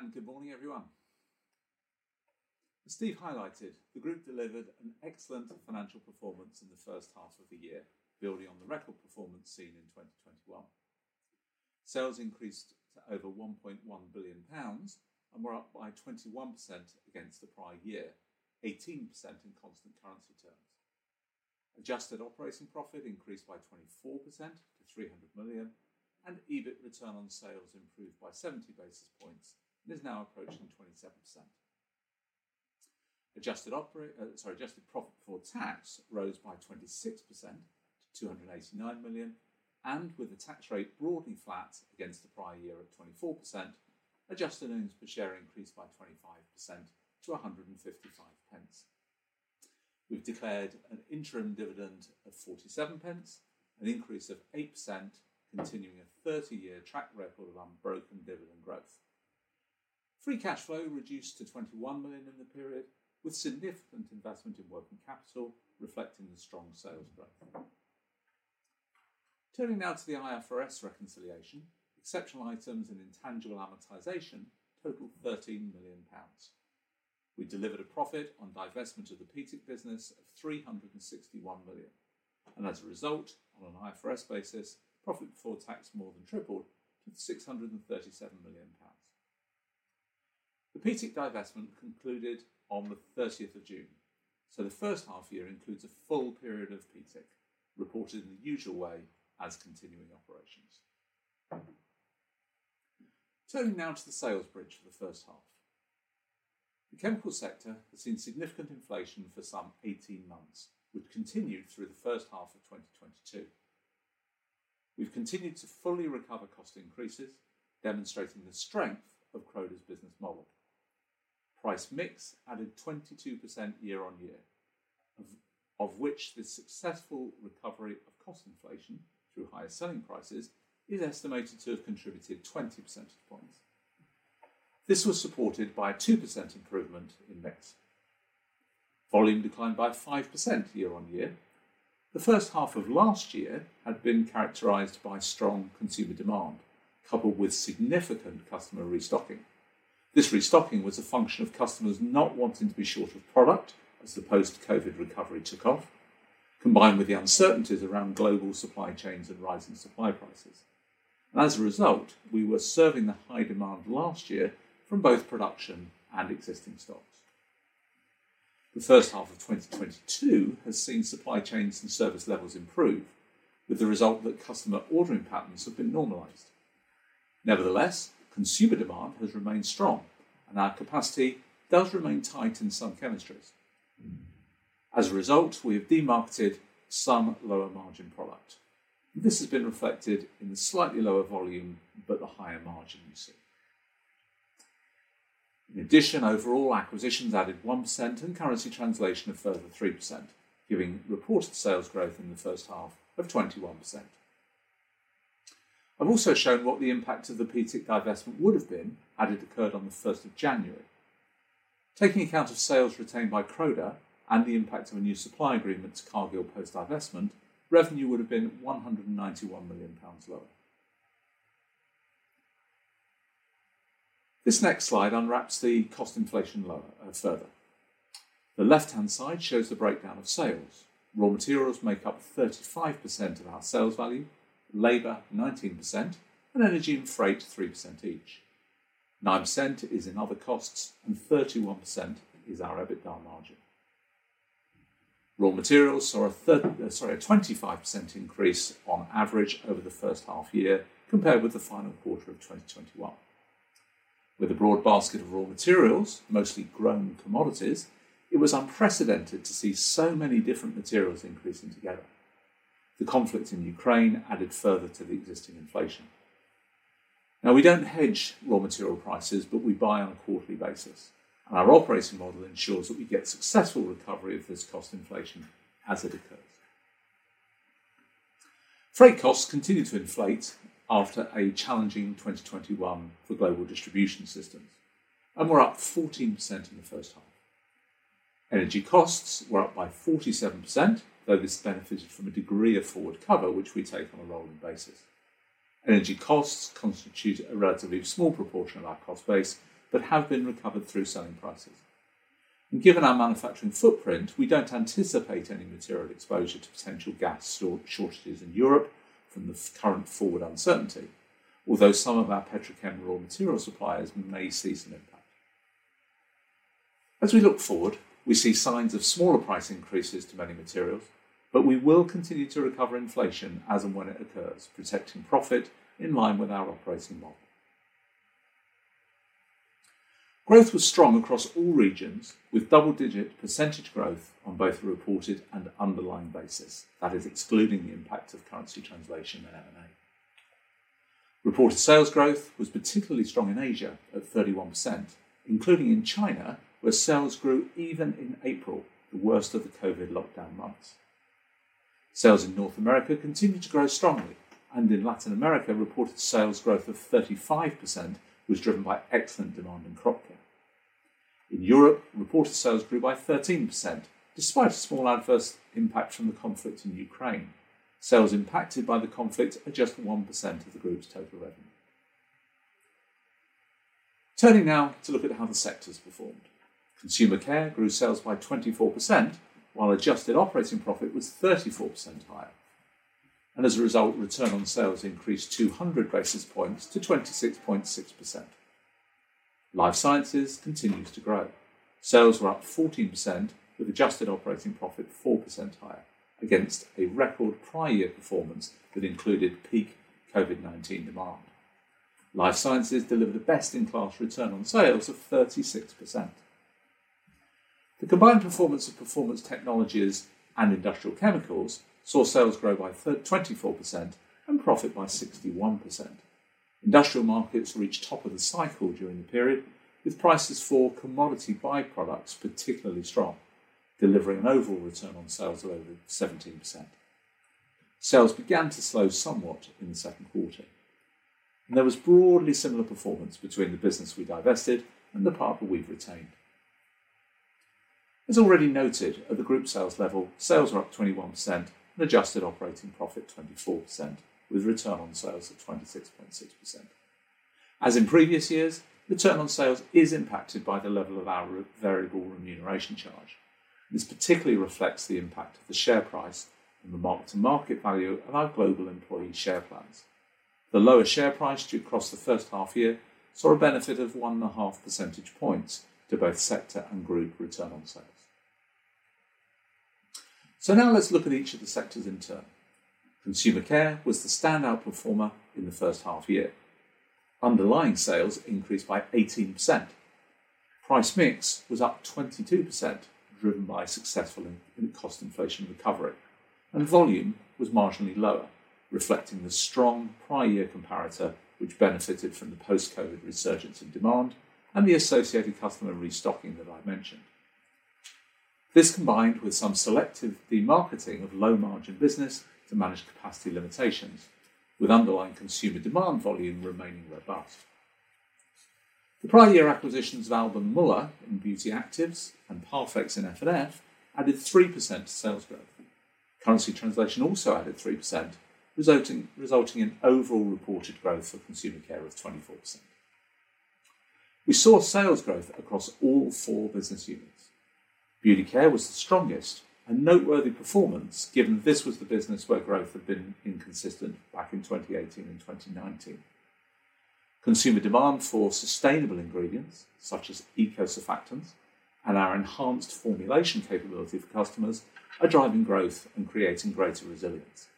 Steve, good morning, everyone. As Steve highlighted, the group delivered an excellent financial performance in the first half of the year, building on the record performance seen in 2021. Sales increased to over 1.1 billion pounds and were up by 21% against the prior year, 18% in constant currency terms. Adjusted operating profit increased by 24% to 300 million and EBIT return on sales improved by 70 basis points and is now approaching 27%. Adjusted profit for tax rose by 26% to 289 million. With the tax rate broadly flat against the prior year of 24%, adjusted earnings per share increased by 25% to 1.55. We've declared an interim dividend of 0.47, an increase of 8% continuing a 30-year track record of unbroken dividend growth. Free cash flow reduced to 21 million in the period, with significant investment in working capital reflecting the strong sales growth. Turning now to the IFRS reconciliation, exceptional items and intangible amortization total 13 million pounds. We delivered a profit on divestment of the PTIC business of 361 million. As a result, on an IFRS basis, profit before tax more than tripled to 637 million pounds. The PTIC divestment concluded on the 30th of June, so the first half year includes a full period of PTIC reported in the usual way as continuing operations. Turning now to the sales bridge for the first half. The chemical sector has seen significant inflation for some 18 months, which continued through the first half of 2022. We've continued to fully recover cost increases, demonstrating the strength of Croda's business model. Price mix added 22% year-on-year, of which the successful recovery of cost inflation through higher selling prices is estimated to have contributed 20% of the points. This was supported by a 2% improvement in mix. Volume declined by 5% year-on-year. The first half of last year had been characterized by strong consumer demand, coupled with significant customer restocking. This restocking was a function of customers not wanting to be short of product as the post-COVID recovery took off, combined with the uncertainties around global supply chains and rising supply prices. As a result, we were serving the high demand last year from both production and existing stocks. The first half of 2022 has seen supply chains and service levels improve, with the result that customer ordering patterns have been normalized. Nevertheless, consumer demand has remained strong, and our capacity does remain tight in some chemistries. As a result, we have demarketed some lower margin product. This has been reflected in the slightly lower volume, but the higher margin we see. In addition, overall acquisitions added 1% and currency translation a further 3%, giving reported sales growth in the first half of 21%. I've also shown what the impact of the PTIC divestment would have been had it occurred on the 1st of January. Taking account of sales retained by Croda and the impact of a new supply agreement to Cargill post-divestment, revenue would have been 191 million pounds lower. This next slide unwraps the cost inflation further. The left-hand side shows the breakdown of sales. Raw materials make up 35% of our sales value, labor 19%, and energy and freight 3% each. 9% is in other costs and 31% is our EBITDA margin. Raw materials saw a 25% increase on average over the first half year compared with the fourth quarter of 2021. With a broad basket of raw materials, mostly grown commodities, it was unprecedented to see so many different materials increasing together. The conflict in Ukraine added further to the existing inflation. Now we don't hedge raw material prices, but we buy on a quarterly basis. Our operating model ensures that we get successful recovery of this cost inflation as it occurs. Freight costs continue to inflate after a challenging 2021 for global distribution systems. We're up 14% in the first half. Energy costs were up by 47%, though this benefited from a degree of forward cover, which we take on a rolling basis. Energy costs constitute a relatively small proportion of our cost base, but have been recovered through selling prices. Given our manufacturing footprint, we don't anticipate any material exposure to potential gas shortages in Europe from the current forward uncertainty, although some of our petrochemical material suppliers may see some impact. As we look forward, we see signs of smaller price increases to many materials, but we will continue to recover inflation as and when it occurs, protecting profit in line with our operating model. Growth was strong across all regions, with double-digit % growth on both a reported and underlying basis, that is excluding the impact of currency translation and M&A. Reported sales growth was particularly strong in Asia at 31%, including in China, where sales grew even in April, the worst of the COVID lockdown months. Sales in North America continued to grow strongly, and in Latin America, reported sales growth of 35% was driven by excellent demand in Crop Care. In Europe, reported sales grew by 13% despite a small adverse impact from the conflict in Ukraine. Sales impacted by the conflict are just 1% of the group's total revenue. Turning now to look at how the sectors performed. Consumer Care grew sales by 24%, while adjusted operating profit was 34% higher. As a result, return on sales increased 200 basis points to 26.6%. Life Sciences continues to grow. Sales were up 14% with adjusted operating profit 4% higher against a record prior year performance that included peak COVID-19 demand. Life Sciences delivered a best-in-class return on sales of 36%. The combined performance of Performance Technologies and Industrial Chemicals saw sales grow by 24% and profit by 61%. Industrial markets reached top of the cycle during the period, with prices for commodity byproducts particularly strong, delivering an overall return on sales of over 17%. Sales began to slow somewhat in the second quarter. There was broadly similar performance between the business we divested and the part that we've retained. As already noted, at the group sales level, sales were up 21% and adjusted operating profit 24% with return on sales of 26.6%. As in previous years, return on sales is impacted by the level of our variable remuneration charge. This particularly reflects the impact of the share price and the mark-to-market value of our global employee share plans. The lower share price due across the first half year saw a benefit of 1.5 percentage points to both sector and group return on sales. Now let's look at each of the sectors in turn. Consumer Care was the standout performer in the first half year. Underlying sales increased by 18%. Price mix was up 22%, driven by successful cost inflation recovery, and volume was marginally lower, reflecting the strong prior year comparator, which benefited from the post-COVID resurgence in demand and the associated customer restocking that I mentioned. This combined with some selective demarketing of low-margin business to manage capacity limitations, with underlying consumer demand volume remaining robust. The prior year acquisitions of Alban Muller in Beauty Actives and Parfex in F&F added 3% to sales growth. Currency translation also added 3%, resulting in overall reported growth for Consumer Care of 24%. We saw sales growth across all four business units. Beauty Care was the strongest, a noteworthy performance given this was the business where growth had been inconsistent back in 2018 and 2019. Consumer demand for sustainable ingredients such as eco-surfactants and our enhanced formulation capability for customers are driving growth and creating greater resilience.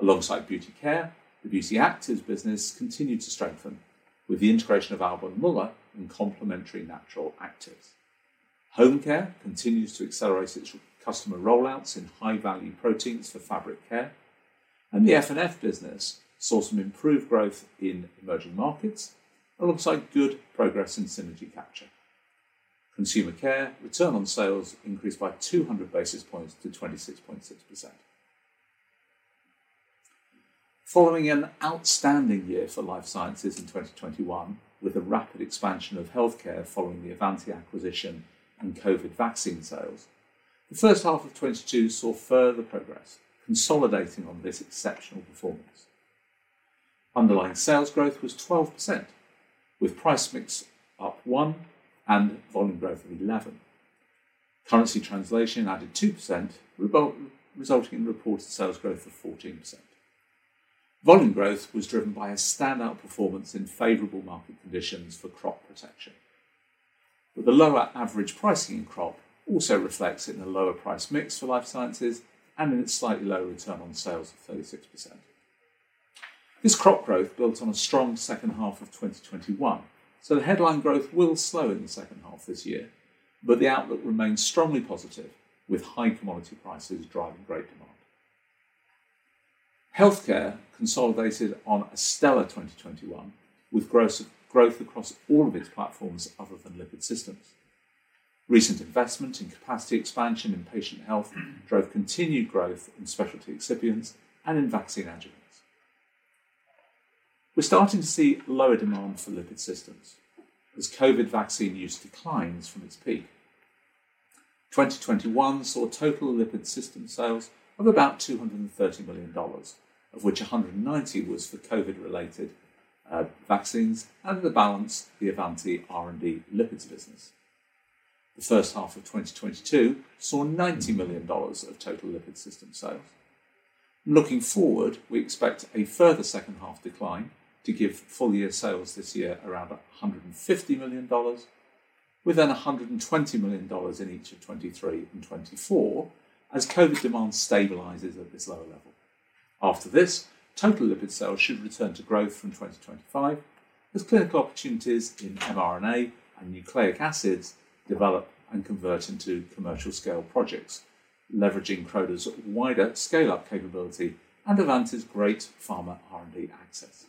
Alongside Beauty Care, the Beauty Actives business continued to strengthen with the integration of Alban Muller and complementary natural actives. Home Care continues to accelerate its customer rollouts in high-value proteins for fabric care. The F&F business saw some improved growth in emerging markets alongside good progress in synergy capture. Consumer Care return on sales increased by 200 basis points to 26.6%. Following an outstanding year for Life Sciences in 2021, with a rapid expansion of healthcare following the Avanti acquisition and COVID vaccine sales, the first half of 2022 saw further progress consolidating on this exceptional performance. Underlying sales growth was 12%, with price mix up 1 and volume growth of 11. Currency translation added 2%, resulting in reported sales growth of 14%. Volume growth was driven by a standout performance in favorable market conditions for Crop Protection. The lower average pricing in Crop also reflects in the lower price mix for Life Sciences and in its slightly lower return on sales of 36%. This Crop growth builds on a strong second half of 2021, so the headline growth will slow in the second half this year, but the outlook remains strongly positive with high commodity prices driving great demand. Health Care consolidated on a stellar 2021 with gross growth across all of its platforms other than lipid systems. Recent investment in capacity expansion in Patient Health drove continued growth in specialty excipients and in vaccine adjuvants. We're starting to see lower demand for lipid systems as COVID vaccine use declines from its peak. 2021 saw total lipid system sales of about $230 million, of which $190 million was for COVID-related vaccines and the balance, the Avanti R&D lipids business. The first half of 2022 saw $90 million of total lipid system sales. Looking forward, we expect a further second half decline to give full year sales this year around $150 million, with then $120 million in each of 2023 and 2024 as COVID demand stabilizes at this lower level. After this, total lipid sales should return to growth from 2025 as clinical opportunities in mRNA and nucleic acids develop and convert into commercial scale projects, leveraging Croda's wider scale-up capability and Avanti's great pharma R&D access.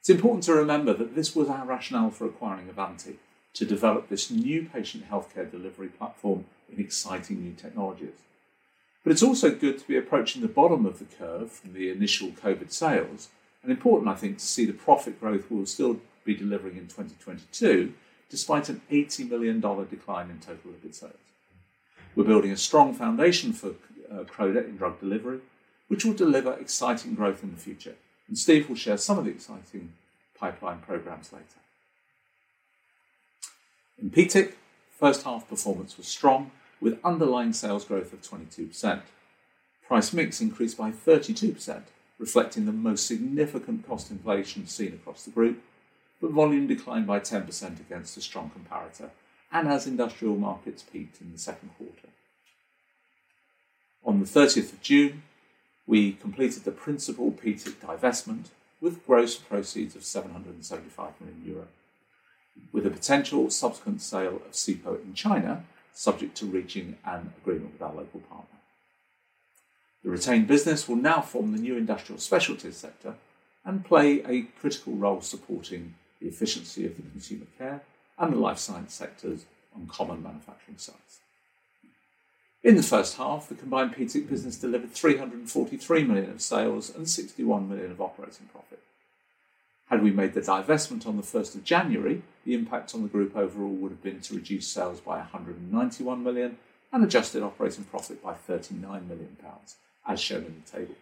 It's important to remember that this was our rationale for acquiring Avanti to develop this new patient healthcare delivery platform with exciting new technologies. It's also good to be approaching the bottom of the curve from the initial COVID sales, and important, I think, to see the profit growth we will still be delivering in 2022 despite an $80 million decline in total EBITDA sales. We're building a strong foundation for Croda in drug delivery, which will deliver exciting growth in the future, and Steve will share some of the exciting pipeline programs later. In PTIC, first half performance was strong with underlying sales growth of 22%. Price mix increased by 32%, reflecting the most significant cost inflation seen across the group, but volume declined by 10% against a strong comparator and as industrial markets peaked in the second quarter. On the 30th of June, we completed the principal PTIC divestment with gross proceeds of 775 million euro, with a potential subsequent sale of Sipo in China subject to reaching an agreement with our local partner. The retained business will now form the new Industrial Specialties sector and play a critical role supporting the efficiency of the Consumer Care and the Life Sciences sectors on common manufacturing sites. In the first half, the combined PTIC business delivered 343 million of sales and 61 million of operating profit. Had we made the divestment on the first of January, the impact on the group overall would have been to reduce sales by 191 million and adjusted operating profit by 39 million pounds, as shown in the table.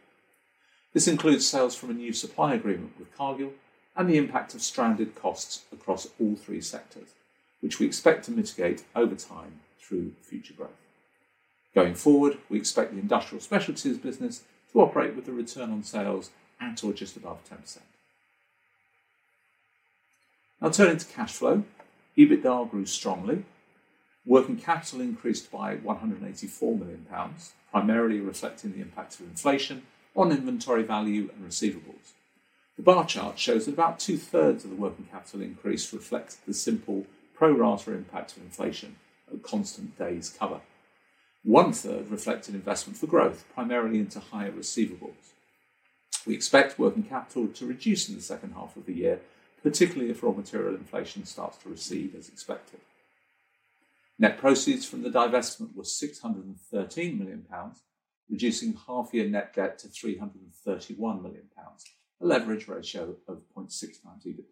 This includes sales from a new supply agreement with Cargill and the impact of stranded costs across all three sectors, which we expect to mitigate over time through future growth. Going forward, we expect the Industrial Specialties business to operate with a return on sales at or just above 10%. I'll turn into cash flow. EBITDA grew strongly. Working capital increased by 184 million pounds, primarily reflecting the impact of inflation on inventory value and receivables. The bar chart shows that about 2/3 of the working capital increase reflects the simple pro rata impact of inflation at constant days cover. 1/3 reflected investment for growth, primarily into higher receivables. We expect working capital to reduce in the second half of the year, particularly if raw material inflation starts to recede as expected. Net proceeds from the divestment was 613 million pounds, reducing half-year net debt to 331 million pounds, a leverage ratio of 0.6x EBITDA.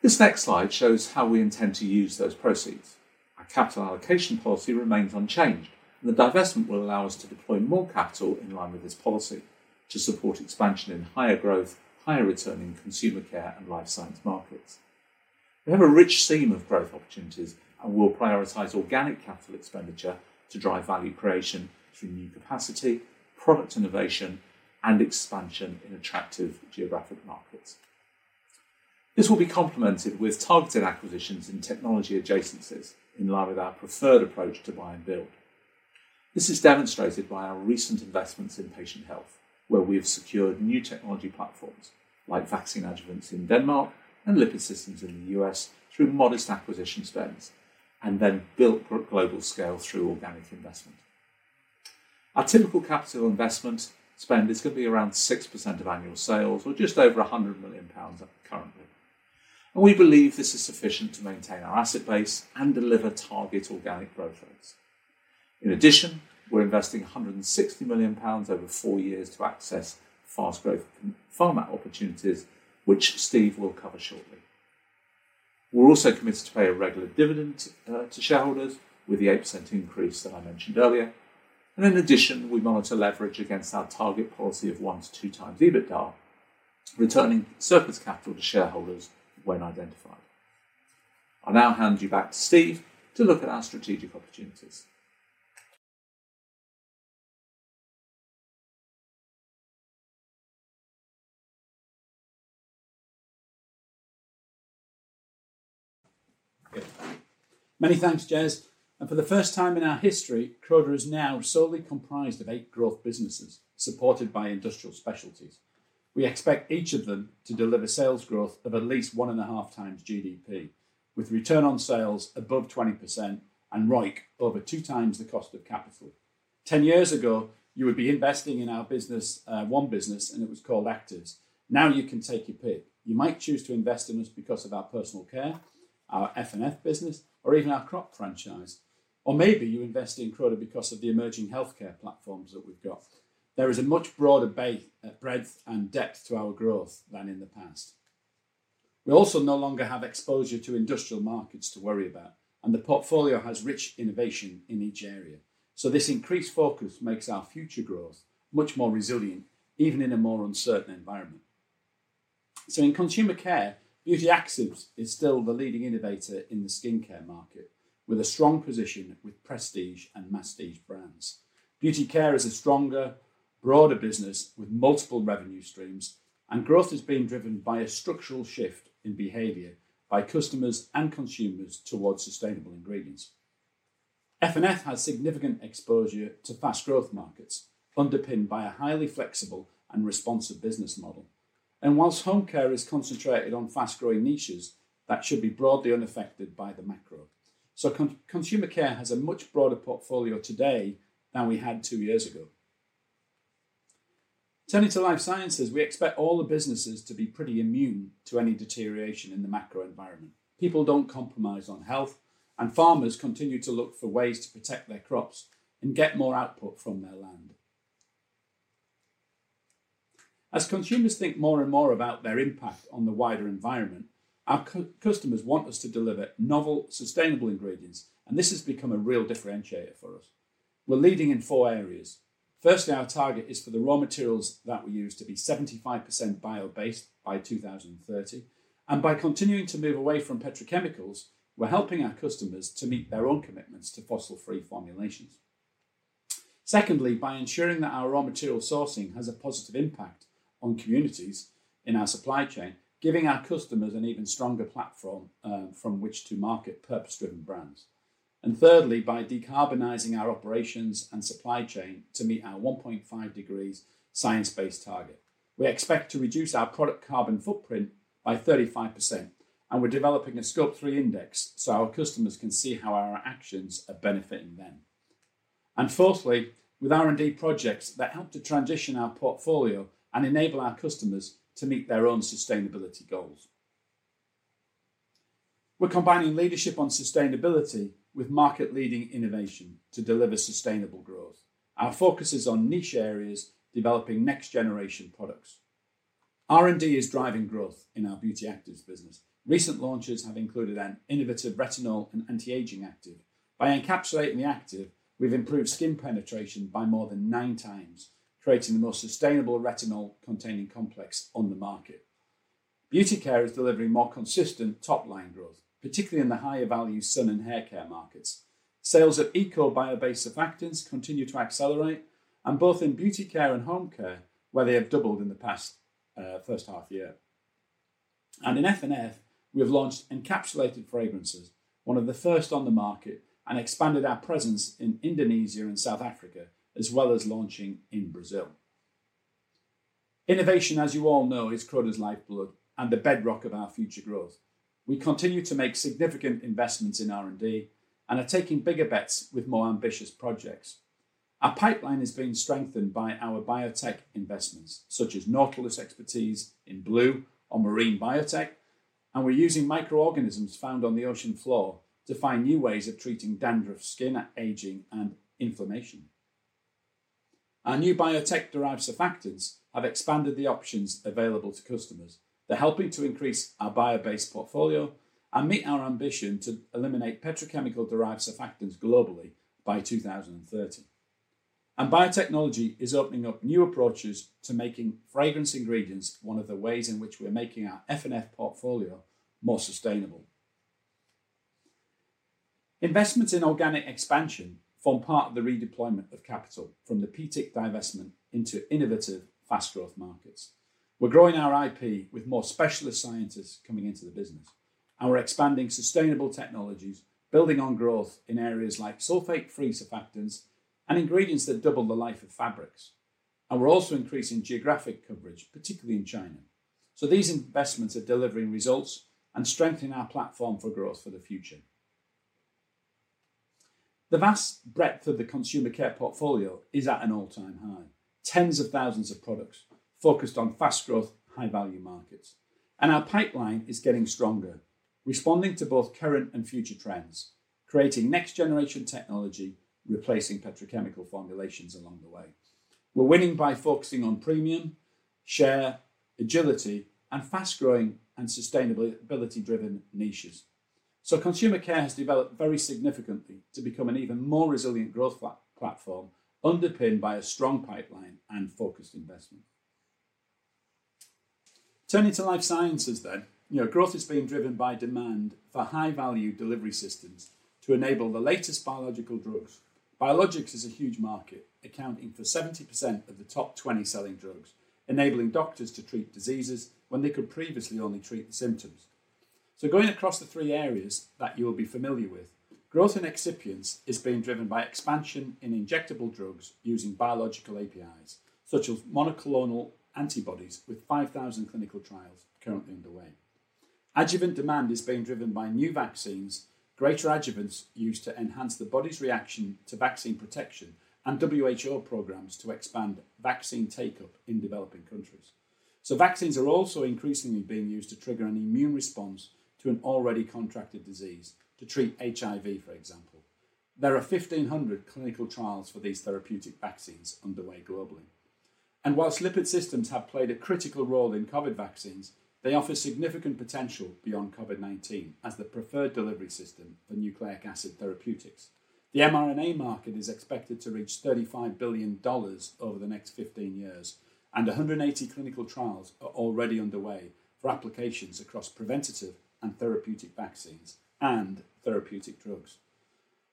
This next slide shows how we intend to use those proceeds. Our capital allocation policy remains unchanged, and the divestment will allow us to deploy more capital in line with this policy to support expansion in higher growth, higher returning Consumer Care and Life Sciences markets. We have a rich seam of growth opportunities, and we'll prioritize organic capital expenditure to drive value creation through new capacity, product innovation, and expansion in attractive geographic markets. This will be complemented with targeted acquisitions in technology adjacencies in line with our preferred approach to buy and build. This is demonstrated by our recent investments in Patient Health, where we have secured new technology platforms like vaccine adjuvants in Denmark and lipid systems in the U.S. through modest acquisition spends and then built global scale through organic investment. Our typical capital investment spend is gonna be around 6% of annual sales or just over 100 million pounds currently. We believe this is sufficient to maintain our asset base and deliver target organic growth rates. In addition, we're investing 160 million pounds over four years to access fast growth pharma opportunities, which Steve will cover shortly. We're also committed to pay a regular dividend, to shareholders with the 8% increase that I mentioned earlier. In addition, we monitor leverage against our target policy of 1-2x EBITDA, returning surplus capital to shareholders when identified. I'll now hand you back to Steve to look at our strategic opportunities. Many thanks, Jez. For the first time in our history, Croda is now solely comprised of eight growth businesses supported by industrial specialties. We expect each of them to deliver sales growth of at least 1.5x GDP, with return on sales above 20% and ROIC over 2x the cost of capital. 10 years ago, you would be investing in our business, one business, and it was called Actives. Now you can take your pick. You might choose to invest in us because of our personal care, our F&F business, or even our crop franchise. Or maybe you invest in Croda because of the emerging healthcare platforms that we've got. There is a much broader breadth and depth to our growth than in the past. We also no longer have exposure to industrial markets to worry about, and the portfolio has rich innovation in each area. This increased focus makes our future growth much more resilient, even in a more uncertain environment. In Consumer Care, Beauty Actives is still the leading innovator in the skincare market with a strong position with prestige and masstige brands. Beauty Care is a stronger, broader business with multiple revenue streams, and growth is being driven by a structural shift in behavior by customers and consumers towards sustainable ingredients. F&F has significant exposure to fast growth markets underpinned by a highly flexible and responsive business model. While Home Care is concentrated on fast-growing niches, that should be broadly unaffected by the macro. Consumer Care has a much broader portfolio today than we had two years ago. Turning to Life Sciences, we expect all the businesses to be pretty immune to any deterioration in the macro environment. People don't compromise on health, and farmers continue to look for ways to protect their crops and get more output from their land. As consumers think more and more about their impact on the wider environment, our customers want us to deliver novel, sustainable ingredients, and this has become a real differentiator for us. We're leading in four areas. Firstly, our target is for the raw materials that we use to be 75% bio-based by 2030. By continuing to move away from petrochemicals, we're helping our customers to meet their own commitments to fossil-free formulations. Secondly, by ensuring that our raw material sourcing has a positive impact on communities in our supply chain, giving our customers an even stronger platform from which to market purpose-driven brands. Thirdly, by decarbonizing our operations and supply chain to meet our 1.5 degrees Science-Based Target. We expect to reduce our product carbon footprint by 35%, and we're developing a Scope 3 index so our customers can see how our actions are benefiting them. Fourthly, with R&D projects that help to transition our portfolio and enable our customers to meet their own sustainability goals. We're combining leadership on sustainability with market-leading innovation to deliver sustainable growth. Our focus is on niche areas, developing next-generation products. R&D is driving growth in our Beauty Actives business. Recent launches have included an innovative retinol and anti-aging active. By encapsulating the active, we've improved skin penetration by more than nine times, creating the most sustainable retinol-containing complex on the market. Beauty Care is delivering more consistent top-line growth, particularly in the higher value sun and hair care markets. Sales of eco bio-based surfactants continue to accelerate and both in Beauty Care and Home Care, where they have doubled in the past first half year. In F&F, we have launched encapsulated fragrances, one of the first on the market, and expanded our presence in Indonesia and South Africa, as well as launching in Brazil. Innovation, as you all know, is Croda's lifeblood and the bedrock of our future growth. We continue to make significant investments in R&D and are taking bigger bets with more ambitious projects. Our pipeline is being strengthened by our biotech investments, such as Nautilus expertise in blue ocean marine biotech, and we're using microorganisms found on the ocean floor to find new ways of treating dandruff, skin aging, and inflammation. Our new biotech-derived surfactants have expanded the options available to customers. They're helping to increase our bio-based portfolio and meet our ambition to eliminate petrochemical-derived surfactants globally by 2030. Biotechnology is opening up new approaches to making fragrance ingredients, one of the ways in which we're making our F&F portfolio more sustainable. Investments in organic expansion form part of the redeployment of capital from the PTIC divestment into innovative fast growth markets. We're growing our IP with more specialist scientists coming into the business, and we're expanding sustainable technologies, building on growth in areas like sulfate-free surfactants and ingredients that double the life of fabrics. We're also increasing geographic coverage, particularly in China. These investments are delivering results and strengthen our platform for growth for the future. The vast breadth of the Consumer Care portfolio is at an all-time high. Tens of thousands of products focused on fast growth, high-value markets. Our pipeline is getting stronger, responding to both current and future trends, creating next-generation technology, replacing petrochemical formulations along the way. We're winning by focusing on premium, share, agility, and fast-growing and sustainability-driven niches. Consumer Care has developed very significantly to become an even more resilient growth platform underpinned by a strong pipeline and focused investment. Turning to Life Sciences, you know, growth is being driven by demand for high-value delivery systems to enable the latest biological drugs. Biologics is a huge market, accounting for 70% of the top 20 selling drugs, enabling doctors to treat diseases when they could previously only treat the symptoms. Going across the three areas that you will be familiar with, growth in excipients is being driven by expansion in injectable drugs using biological APIs, such as monoclonal antibodies with 5,000 clinical trials currently underway. Adjuvant demand is being driven by new vaccines, greater adjuvants used to enhance the body's reaction to vaccine protection and WHO programs to expand vaccine take-up in developing countries. Vaccines are also increasingly being used to trigger an immune response to an already contracted disease, to treat HIV, for example. There are 1,500 clinical trials for these therapeutic vaccines underway globally. While lipid systems have played a critical role in COVID vaccines, they offer significant potential beyond COVID-19 as the preferred delivery system for nucleic acid therapeutics. The mRNA market is expected to reach $35 billion over the next 15 years, and 180 clinical trials are already underway for applications across preventative and therapeutic vaccines and therapeutic drugs.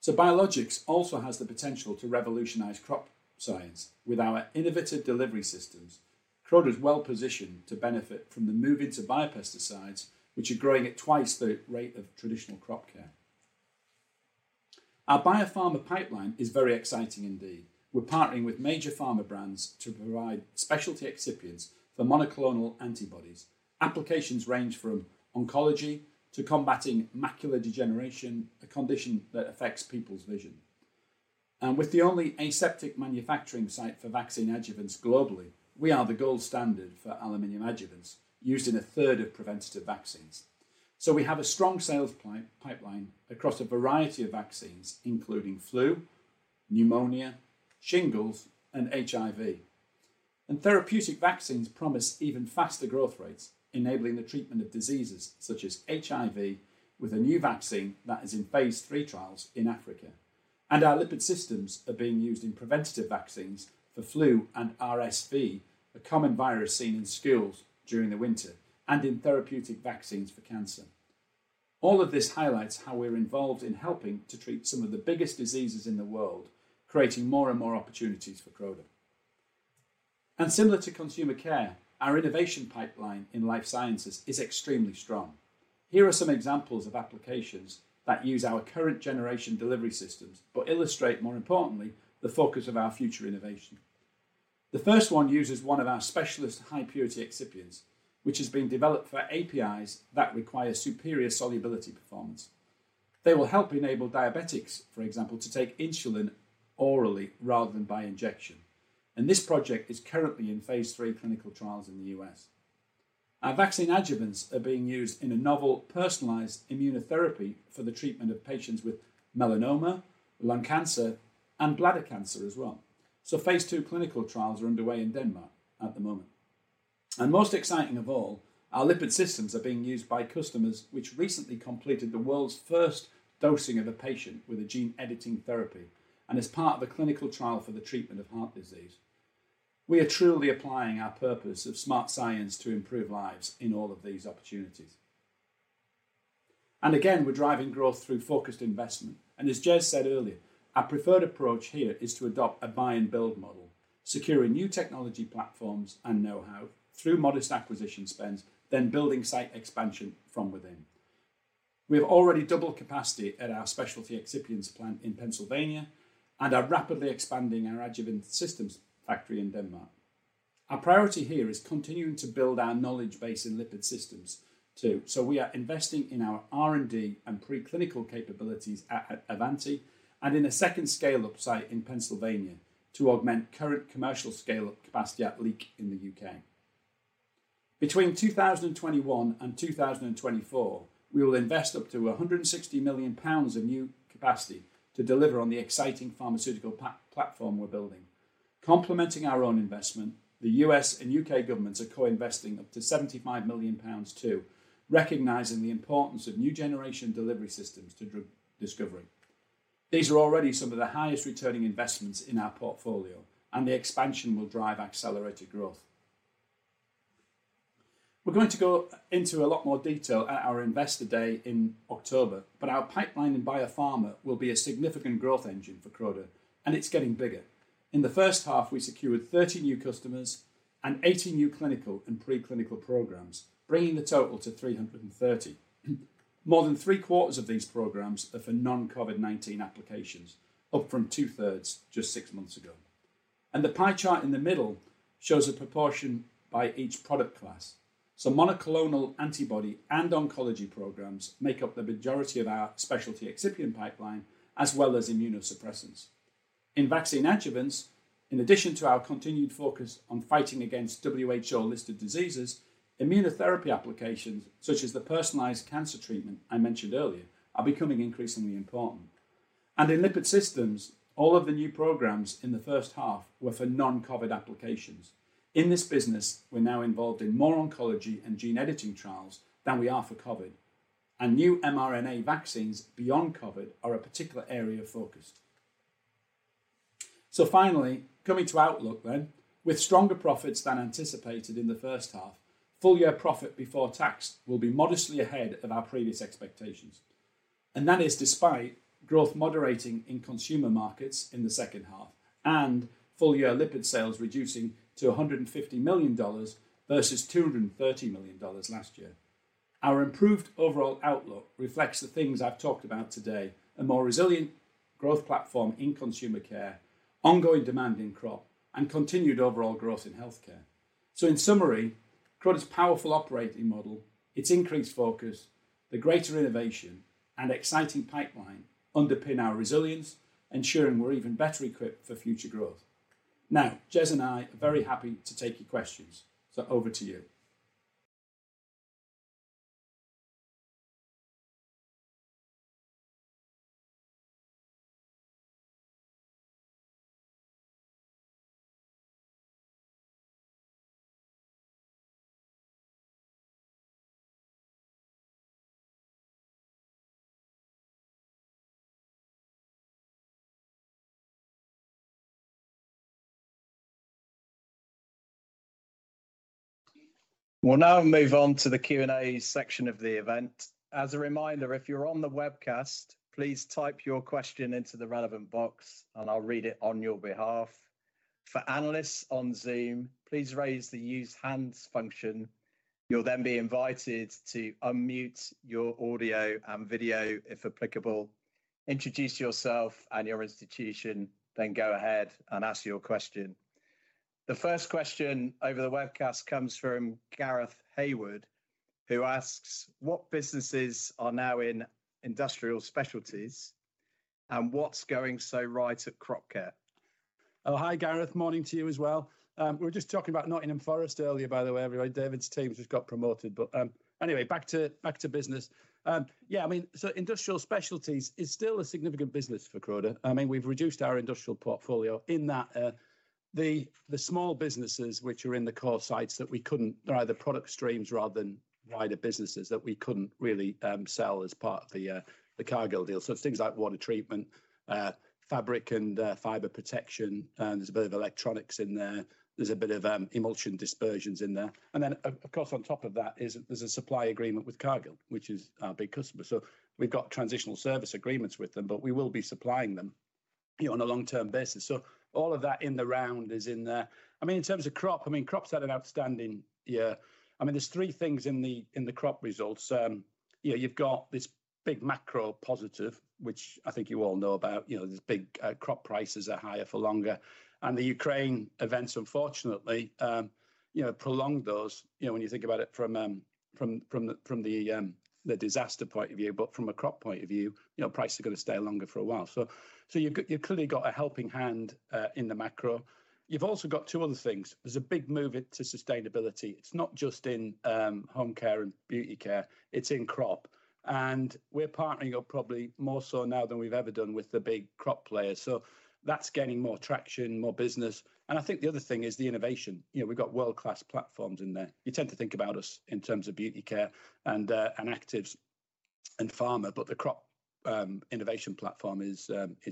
Biologics also has the potential to revolutionize crop science. With our innovative delivery systems, Croda is well-positioned to benefit from the move into biopesticides, which are growing at twice the rate of traditional crop care. Our biopharma pipeline is very exciting indeed. We're partnering with major pharma brands to provide specialty excipients for monoclonal antibodies. Applications range from oncology to combating macular degeneration, a condition that affects people's vision. With the only aseptic manufacturing site for vaccine adjuvants globally, we are the gold standard for aluminum adjuvants used in a third of preventative vaccines. We have a strong sales pipeline across a variety of vaccines, including flu, pneumonia, shingles, and HIV. Therapeutic vaccines promise even faster growth rates, enabling the treatment of diseases such as HIV with a new vaccine that is in phase III trials in Africa. Our lipid systems are being used in preventative vaccines for flu and RSV, a common virus seen in schools during the winter, and in therapeutic vaccines for cancer. All of this highlights how we're involved in helping to treat some of the biggest diseases in the world, creating more and more opportunities for Croda. Similar to Consumer Care, our innovation pipeline in Life Sciences is extremely strong. Here are some examples of applications that use our current generation delivery systems, but illustrate more importantly the focus of our future innovation. The first one uses one of our specialty high-purity excipients, which is being developed for APIs that require superior solubility performance. They will help enable diabetics, for example, to take insulin orally rather than by injection, and this project is currently in phase III clinical trials in the U.S. Our vaccine adjuvants are being used in a novel personalized immunotherapy for the treatment of patients with melanoma, lung cancer, and bladder cancer as well. Phase II clinical trials are underway in Denmark at the moment. Most exciting of all, our lipid systems are being used by customers which recently completed the world's first dosing of a patient with a gene editing therapy and as part of a clinical trial for the treatment of heart disease. We are truly applying our purpose of smart science to improve lives in all of these opportunities. Again, we're driving growth through focused investment. As Jez said earlier, our preferred approach here is to adopt a buy and build model, securing new technology platforms and knowhow through modest acquisition spends, then building site expansion from within. We have already doubled capacity at our specialty excipients plant in Pennsylvania and are rapidly expanding our adjuvant systems factory in Denmark. Our priority here is continuing to build our knowledge base in lipid systems too, so we are investing in our R&D and preclinical capabilities at Avanti and in a second scale-up site in Pennsylvania to augment current commercial scale-up capacity at Leek in the U.K. Between 2021 and 2024, we will invest up to 160 million pounds of new capacity to deliver on the exciting pharmaceutical platform we're building. Complementing our own investment, the U.S. and U.K. governments are co-investing up to 75 million pounds too, recognizing the importance of new generation delivery systems to drug discovery. These are already some of the highest returning investments in our portfolio, and the expansion will drive accelerated growth. We're going to go into a lot more detail at our investor day in October, but our pipeline in biopharma will be a significant growth engine for Croda, and it's getting bigger. In the first half, we secured 30 new customers and 80 new clinical and pre-clinical programs, bringing the total to 330. More than three-quarters of these programs are for non-COVID-19 applications, up from two-thirds just six months ago. The pie chart in the middle shows the proportion by each product class. Monoclonal antibody and oncology programs make up the majority of our specialty excipient pipeline, as well as immunosuppressants. In vaccine adjuvants, in addition to our continued focus on fighting against WHO listed diseases, immunotherapy applications such as the personalized cancer treatment I mentioned earlier are becoming increasingly important. In lipid systems, all of the new programs in the first half were for non-COVID applications. In this business, we're now involved in more oncology and gene editing trials than we are for COVID, and new mRNA vaccines beyond COVID are a particular area of focus. Finally, coming to outlook then. With stronger profits than anticipated in the first half, full year profit before tax will be modestly ahead of our previous expectations. That is despite growth moderating in consumer markets in the second half and full year lipid sales reducing to $150 million versus $230 million last year. Our improved overall outlook reflects the things I've talked about today, a more resilient growth platform in Consumer Care, ongoing demand in Crop, and continued overall growth in healthcare. In summary, Croda's powerful operating model, its increased focus, the greater innovation, and exciting pipeline underpin our resilience, ensuring we're even better equipped for future growth. Now, Jez and I are very happy to take your questions. Over to you. We'll now move on to the Q&A section of the event. As a reminder, if you're on the webcast, please type your question into the relevant box and I'll read it on your behalf. For analysts on Zoom, please raise the Use Hands function. You'll then be invited to unmute your audio and video if applicable, introduce yourself and your institution, then go ahead and ask your question. The first question over the webcast comes from Gareth Haywood, who asks, "What businesses are now in Industrial Specialties? And what's going so right at Crop Care? Oh, hi Gareth. Morning to you as well. We were just talking about Nottingham Forest earlier, by the way, everybody. David's team just got promoted but, anyway, back to business. Yeah, I mean, Industrial Specialties is still a significant business for Croda. I mean, we've reduced our industrial portfolio in that, the small businesses which are in the core sites that we couldn't, they're either product streams rather than wider businesses that we couldn't really sell as part of the Cargill deal. Things like water treatment, fabric and fiber protection, and there's a bit of electronics in there. There's a bit of emulsion dispersions in there. Of course, on top of that, there's a supply agreement with Cargill, which is our big customer. We've got transitional service agreements with them, but we will be supplying them, you know, on a long-term basis. All of that in the round is in there. I mean, in terms of crop, I mean, crops had an outstanding year. I mean, there's three things in the crop results. You know, you've got this big macro positive, which I think you all know about, you know, these big crop prices are higher for longer. The Ukraine events, unfortunately, prolonged those, you know, when you think about it from the disaster point of view. But from a crop point of view, you know, prices are gonna stay longer for a while. You clearly got a helping hand in the macro. You've also got two other things. There's a big move into sustainability. It's not just in Home Care and Beauty Care. It's in Crop. We're partnering up probably more so now than we've ever done with the big crop players. That's gaining more traction, more business. I think the other thing is the innovation. You know, we've got world-class platforms in there. You tend to think about us in terms of Beauty Care and Actives and pharma, but the Crop innovation platform is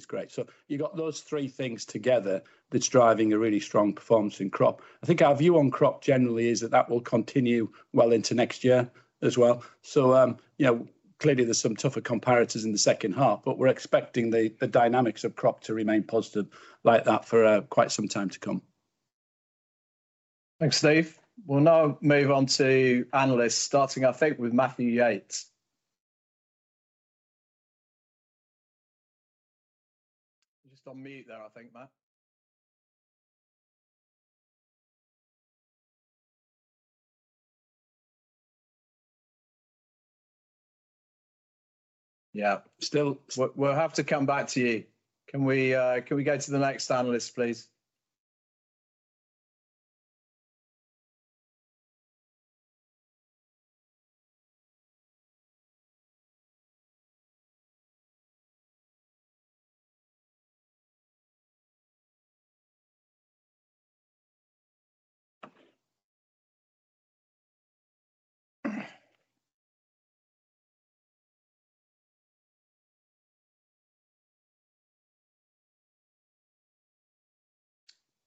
great. You've got those three things together that's driving a really strong performance in Crop. I think our view on Crop generally is that that will continue well into next year as well. You know, clearly there's some tougher comparators in the second half, but we're expecting the dynamics of crop to remain positive like that for quite some time to come. Thanks, Steve. We'll now move on to analysts, starting, I think, with Matthew Yates. You're just on mute there, I think, Matt. Yeah. Still, we'll have to come back to you. Can we go to the next analyst, please?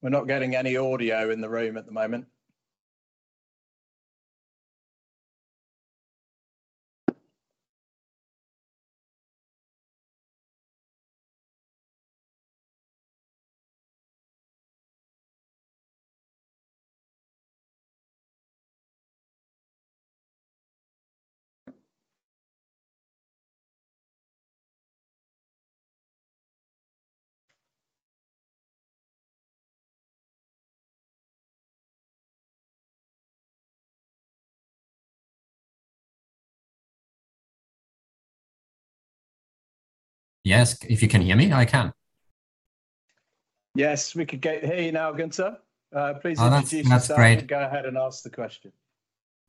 We're not getting any audio in the room at the moment. Yes, if you can hear me? I can. Yes, we can hear you now, Gunther. Please introduce- Oh, that's great. yourself and go ahead and ask the question.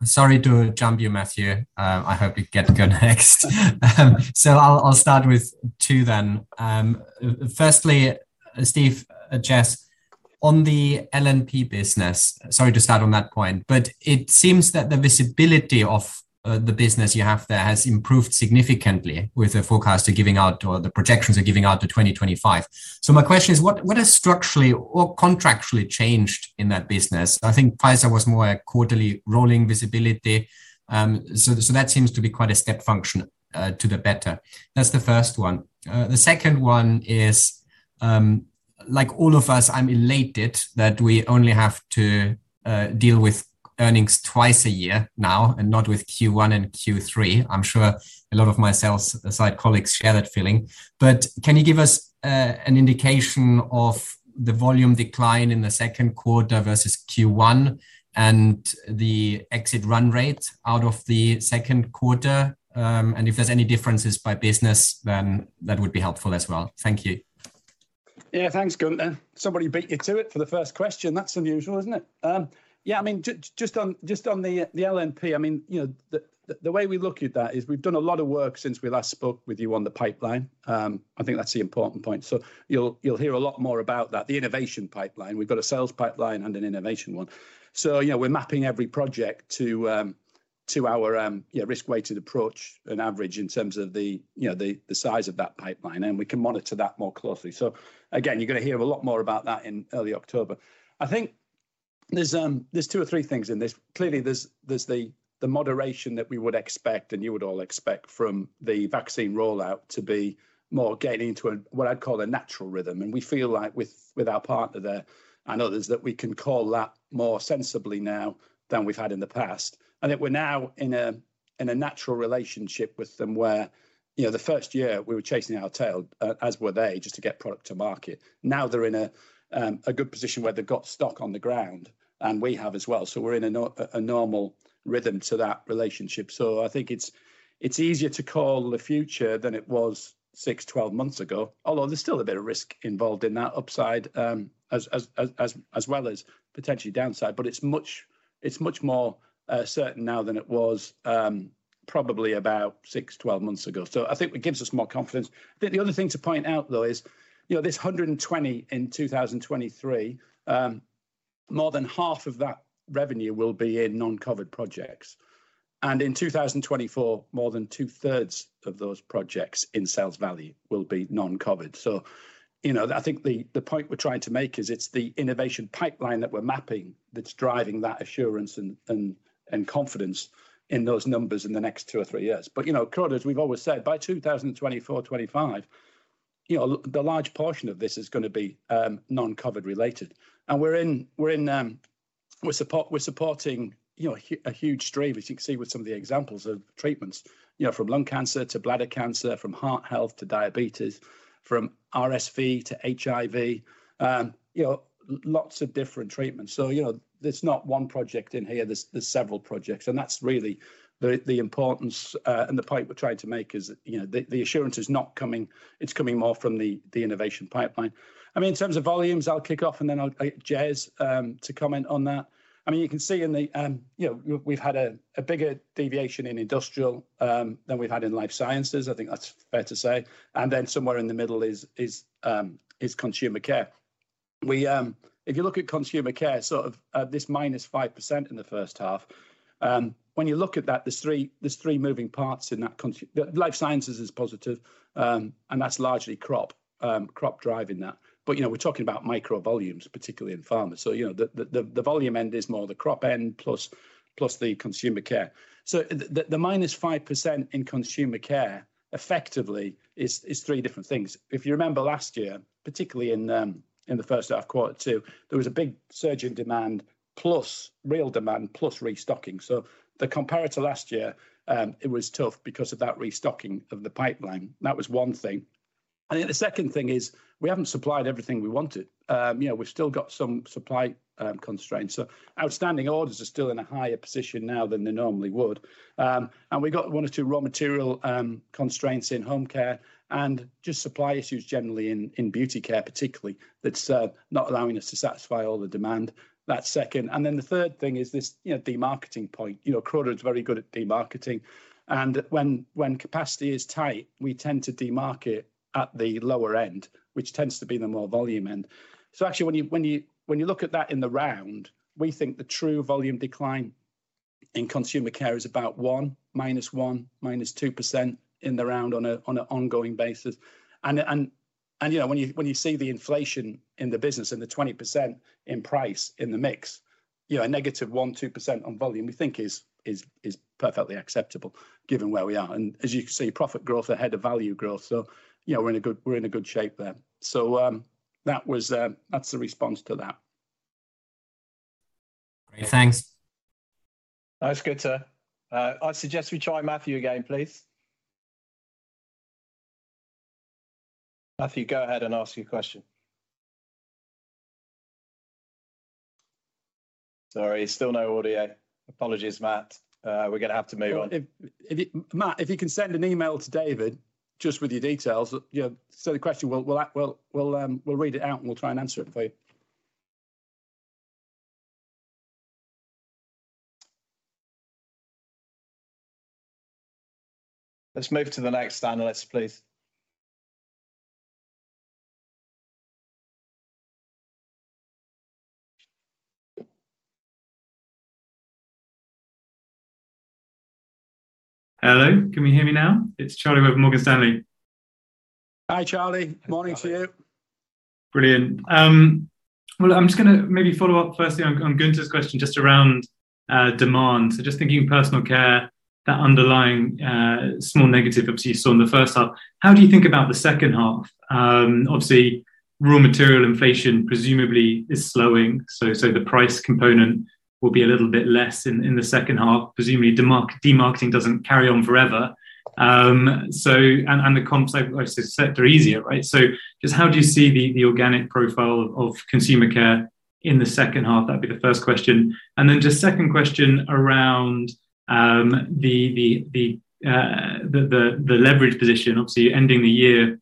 Sorry to jump you, Matthew. I hope you get to go next. I'll start with two then. Firstly, Steve, Jez, on the LNP business, sorry to start on that point, but it seems that the visibility of the business you have there has improved significantly with the forecast you're giving out, or the projections you're giving out to 2025. My question is, what has structurally or contractually changed in that business? I think Pfizer was more a quarterly rolling visibility. That seems to be quite a step function to the better. That's the first one. The second one is, like all of us, I'm elated that we only have to deal with earnings twice a year now and not with Q1 and Q3. I'm sure a lot of my sales side colleagues share that feeling. Can you give us an indication of the volume decline in the second quarter versus Q1 and the exit run rate out of the second quarter? If there's any differences by business, then that would be helpful as well. Thank you. Yeah, thanks, Gunther. Somebody beat you to it for the first question. That's unusual, isn't it? Yeah, I mean, just on the LNP, I mean, you know, the way we look at that is we've done a lot of work since we last spoke with you on the pipeline. I think that's the important point. You'll hear a lot more about that, the innovation pipeline. We've got a sales pipeline and an innovation one. You know, we're mapping every project to our you know risk-weighted approach and on average in terms of the you know the size of that pipeline, and we can monitor that more closely. Again, you're gonna hear a lot more about that in early October. I think there's two or three things in this. Clearly, there's the moderation that we would expect and you would all expect from the vaccine rollout to be more getting into a, what I'd call a natural rhythm. We feel like with our partner there and others, that we can call that more sensibly now than we've had in the past. That we're now in a natural relationship with them where, you know, the first year we were chasing our tail, as were they, just to get product to market. Now they're in a good position where they've got stock on the ground, and we have as well. We're in a normal rhythm to that relationship. I think it's easier to call the future than it was six, twelve months ago. Although there's still a bit of risk involved in that upside, as well as potentially downside. It's much more certain now than it was probably about 6-12 months ago. I think it gives us more confidence. I think the other thing to point out, though, is you know, this 120 in 2023, more than half of that revenue will be in non-COVID projects. In 2024, more than two-thirds of those projects in sales value will be non-COVID. You know, I think the point we're trying to make is it's the innovation pipeline that we're mapping that's driving that assurance and confidence in those numbers in the next two or three years. You know, COVID, as we've always said, by 2024, 2025, you know, the large portion of this is gonna be non-COVID related. We're supporting, you know, a huge stream, as you can see with some of the examples of treatments. You know, from lung cancer to bladder cancer, from heart health to diabetes, from RSV to HIV. You know, lots of different treatments. You know, there's not one project in here, there's several projects. That's really the importance and the point we're trying to make is, you know, the assurance is not coming, it's coming more from the innovation pipeline. I mean, in terms of volumes, I'll kick off and then I'll get Jez to comment on that. I mean, you can see in the, you know, we've had a bigger deviation in Industrial than we've had in Life Sciences. I think that's fair to say. Then somewhere in the middle is Consumer Care. If you look at Consumer Care, sort of, this minus 5% in the first half. When you look at that, there's three moving parts in that. Life Sciences is positive, and that's largely crop driving that. You know, we're talking about micro volumes, particularly in pharma. You know, the volume end is more the crop end plus the Consumer Care. The minus 5% in Consumer Care effectively is three different things. If you remember last year, particularly in the first half of quarter two, there was a big surge in demand plus real demand plus restocking. The comparator last year, it was tough because of that restocking of the pipeline. That was one thing. I think the second thing is we haven't supplied everything we wanted. You know, we've still got some supply constraints. Outstanding orders are still in a higher position now than they normally would. We got one or two raw material constraints in Home Care and just supply issues generally in Beauty Care particularly that's not allowing us to satisfy all the demand. That's second. Then the third thing is this, you know, demarketing point. You know, Croda is very good at demarketing. When capacity is tight, we tend to demarket at the lower end, which tends to be the more volume end. Actually, when you look at that in the round, we think the true volume decline in Consumer Care is about -1% to -2% in the round on an ongoing basis. You know, when you see the inflation in the business and the 20% in price in the mix, you know, a negative 1-2% on volume we think is perfectly acceptable given where we are. As you can see, profit growth ahead of value growth. You know, we're in a good shape there. That's the response to that. Great. Thanks. No, it's good, sir. I suggest we try Matthew again, please. Matthew, go ahead and ask your question. Sorry, still no audio. Apologies, Matt. We're gonna have to move on. Well, Matt, if you can send an email to David just with your details, you know. The question, we'll read it out and we'll try and answer it for you. Let's move to the next analyst, please. Hello, can you hear me now? It's Charles Bentley with Morgan Stanley. Hi, Charlie. Morning to you. Brilliant. Well, I'm just gonna maybe follow up firstly on Gunther's question just around demand. Just thinking personal care, that underlying small negative obviously you saw in the first half. How do you think about the second half? Obviously, raw material inflation presumably is slowing, so the price component will be a little bit less in the second half. Presumably, demarketing doesn't carry on forever. The comps, like I said, are easier, right? Just how do you see the organic profile of Consumer Care in the second half? That'd be the first question. Just second question around the leverage position, obviously ending the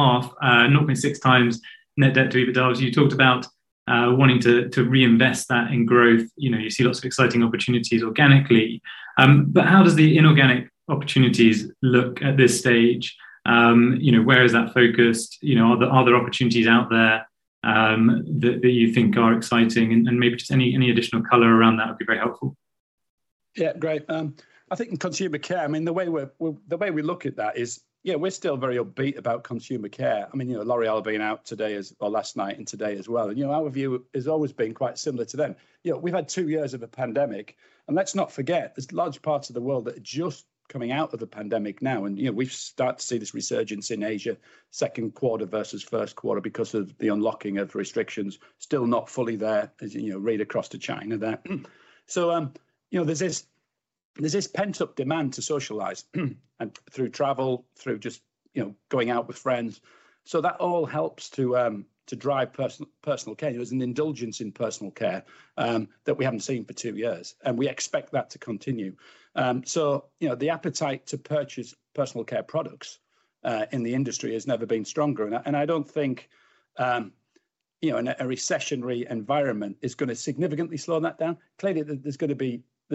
half not been six times net debt to EBITDA. As you talked about wanting to reinvest that in growth. You know, you see lots of exciting opportunities organically. How does the inorganic opportunities look at this stage? You know, where is that focused? You know, are there opportunities out there that you think are exciting? Maybe just any additional color around that would be very helpful. Yeah. Great. I think in Consumer Care, I mean, the way we look at that is, you know, we're still very upbeat about Consumer Care. I mean, you know, L'Oréal being out today or last night and today as well. You know, our view has always been quite similar to them. You know, we've had two years of a pandemic, and let's not forget there's large parts of the world that are just coming out of the pandemic now. You know, we've started to see this resurgence in Asia, second quarter versus first quarter because of the unlocking of restrictions. Still not fully there as, you know, right across to China there. You know, there's this pent-up demand to socialize, and through travel, through just, you know, going out with friends. That all helps to drive personal care. There's an indulgence in personal care that we haven't seen for two years, and we expect that to continue. You know, the appetite to purchase personal care products in the industry has never been stronger. I don't think, you know, in a recessionary environment is gonna significantly slow that down. Clearly there's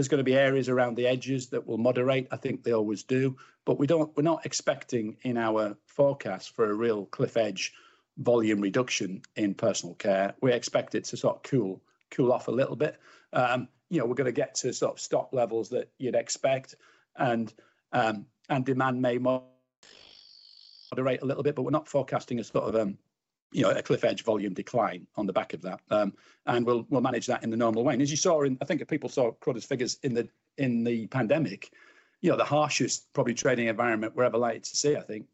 gonna be areas around the edges that will moderate. I think they always do. We're not expecting in our forecast for a real cliff edge volume reduction in personal care. We expect it to sort of cool off a little bit. You know, we're gonna get to sort of stock levels that you'd expect and demand may moderate a little bit, but we're not forecasting a sort of, you know, a cliff edge volume decline on the back of that. We'll manage that in the normal way. As you saw in the pandemic, I think if people saw Croda's figures in the pandemic, you know, the harshest probably trading environment we're ever likely to see, I think.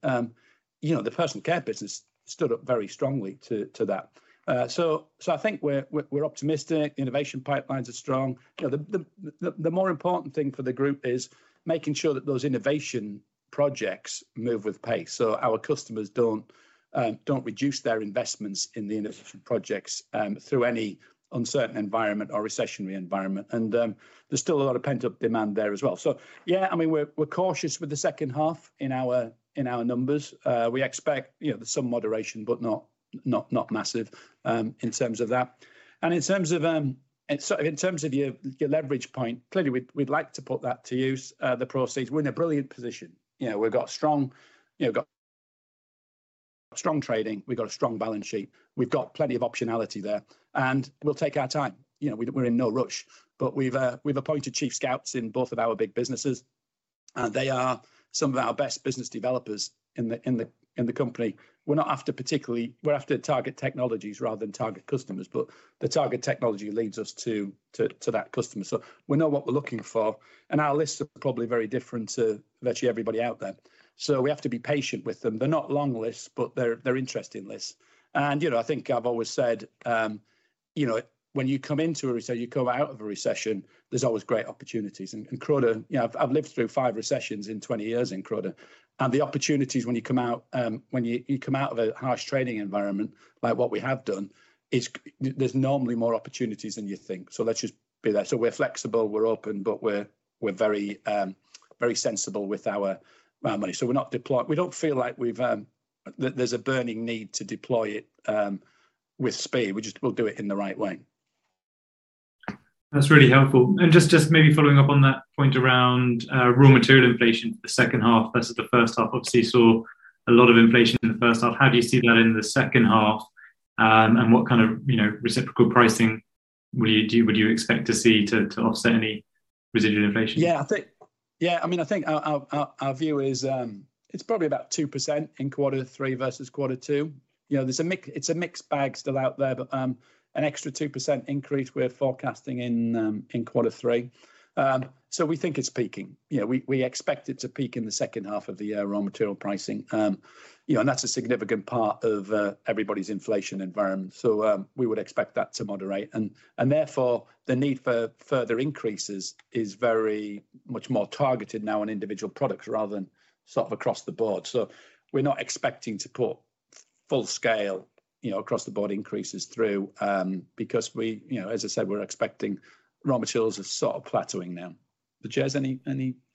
You know, the personal care business stood up very strongly to that. I think we're optimistic. Innovation pipelines are strong. You know, the more important thing for the group is making sure that those innovation projects move with pace so our customers don't reduce their investments in the innovation projects through any uncertain environment or recessionary environment. There's still a lot of pent-up demand there as well. Yeah, I mean, we're cautious with the second half in our numbers. We expect, you know, some moderation but not massive in terms of that. In terms of your leverage point, clearly we'd like to put that to use, the proceeds. We're in a brilliant position. You know, we've got strong trading. We've got a strong balance sheet. We've got plenty of optionality there, and we'll take our time. You know, we're in no rush. We've appointed chief scouts in both of our big businesses, and they are some of our best business developers in the company. We're after target technologies rather than target customers, but the target technology leads us to that customer. We know what we're looking for, and our lists are probably very different to virtually everybody out there, so we have to be patient with them. They're not long lists, but they're interesting lists. You know, I think I've always said, you know, when you come into a recession, you come out of a recession, there's always great opportunities. Croda. You know, I've lived through five recessions in 20 years in Croda, and the opportunities when you come out of a harsh trading environment like what we have done, there's normally more opportunities than you think. Let's just be there. We're flexible, we're open, but we're very sensible with our money. We don't feel like that there's a burning need to deploy it with speed. We'll do it in the right way. That's really helpful. Just maybe following up on that point around raw material inflation for the second half versus the first half. Obviously you saw a lot of inflation in the first half. How do you see that in the second half, and what kind of, you know, reciprocal pricing would you expect to see to offset any residual inflation? Yeah, I mean, I think our view is, it's probably about 2% in quarter three versus quarter two. You know, there's a mix. It's a mixed bag still out there, but, an extra 2% increase we're forecasting in quarter three. So we think it's peaking. You know, we expect it to peak in the second half of the year, raw material pricing. You know, and that's a significant part of everybody's inflation environment. So, we would expect that to moderate and therefore the need for further increases is very much more targeted now on individual products rather than sort of across the board. We're not expecting to put full scale, you know, across the board increases through, because we, you know, as I said, we're expecting raw materials are sort of plateauing now. Jez, any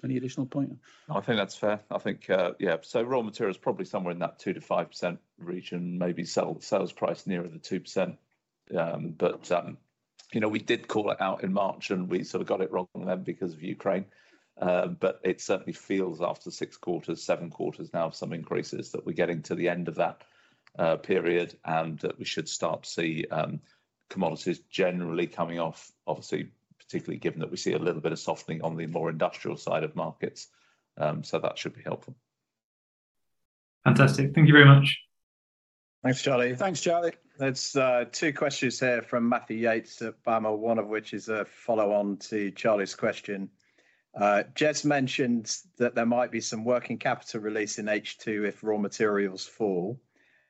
additional point? I think that's fair. I think, yeah. Raw material is probably somewhere in that 2%-5% region, maybe sales price nearer the 2%. You know, we did call it out in March, and we sort of got it wrong then because of Ukraine. It certainly feels after six quarters, seven quarters now of some increases, that we're getting to the end of that period and that we should start to see commodities generally coming off, obviously, particularly given that we see a little bit of softening on the more industrial side of markets. That should be helpful. Fantastic. Thank you very much. Thanks, Charlie. Thanks, Charlie. There are two questions here from Matthew Yates of Bank of America, one of which is a follow-on to Charlie's question. Jez mentioned that there might be some working capital release in H2 if raw materials fall.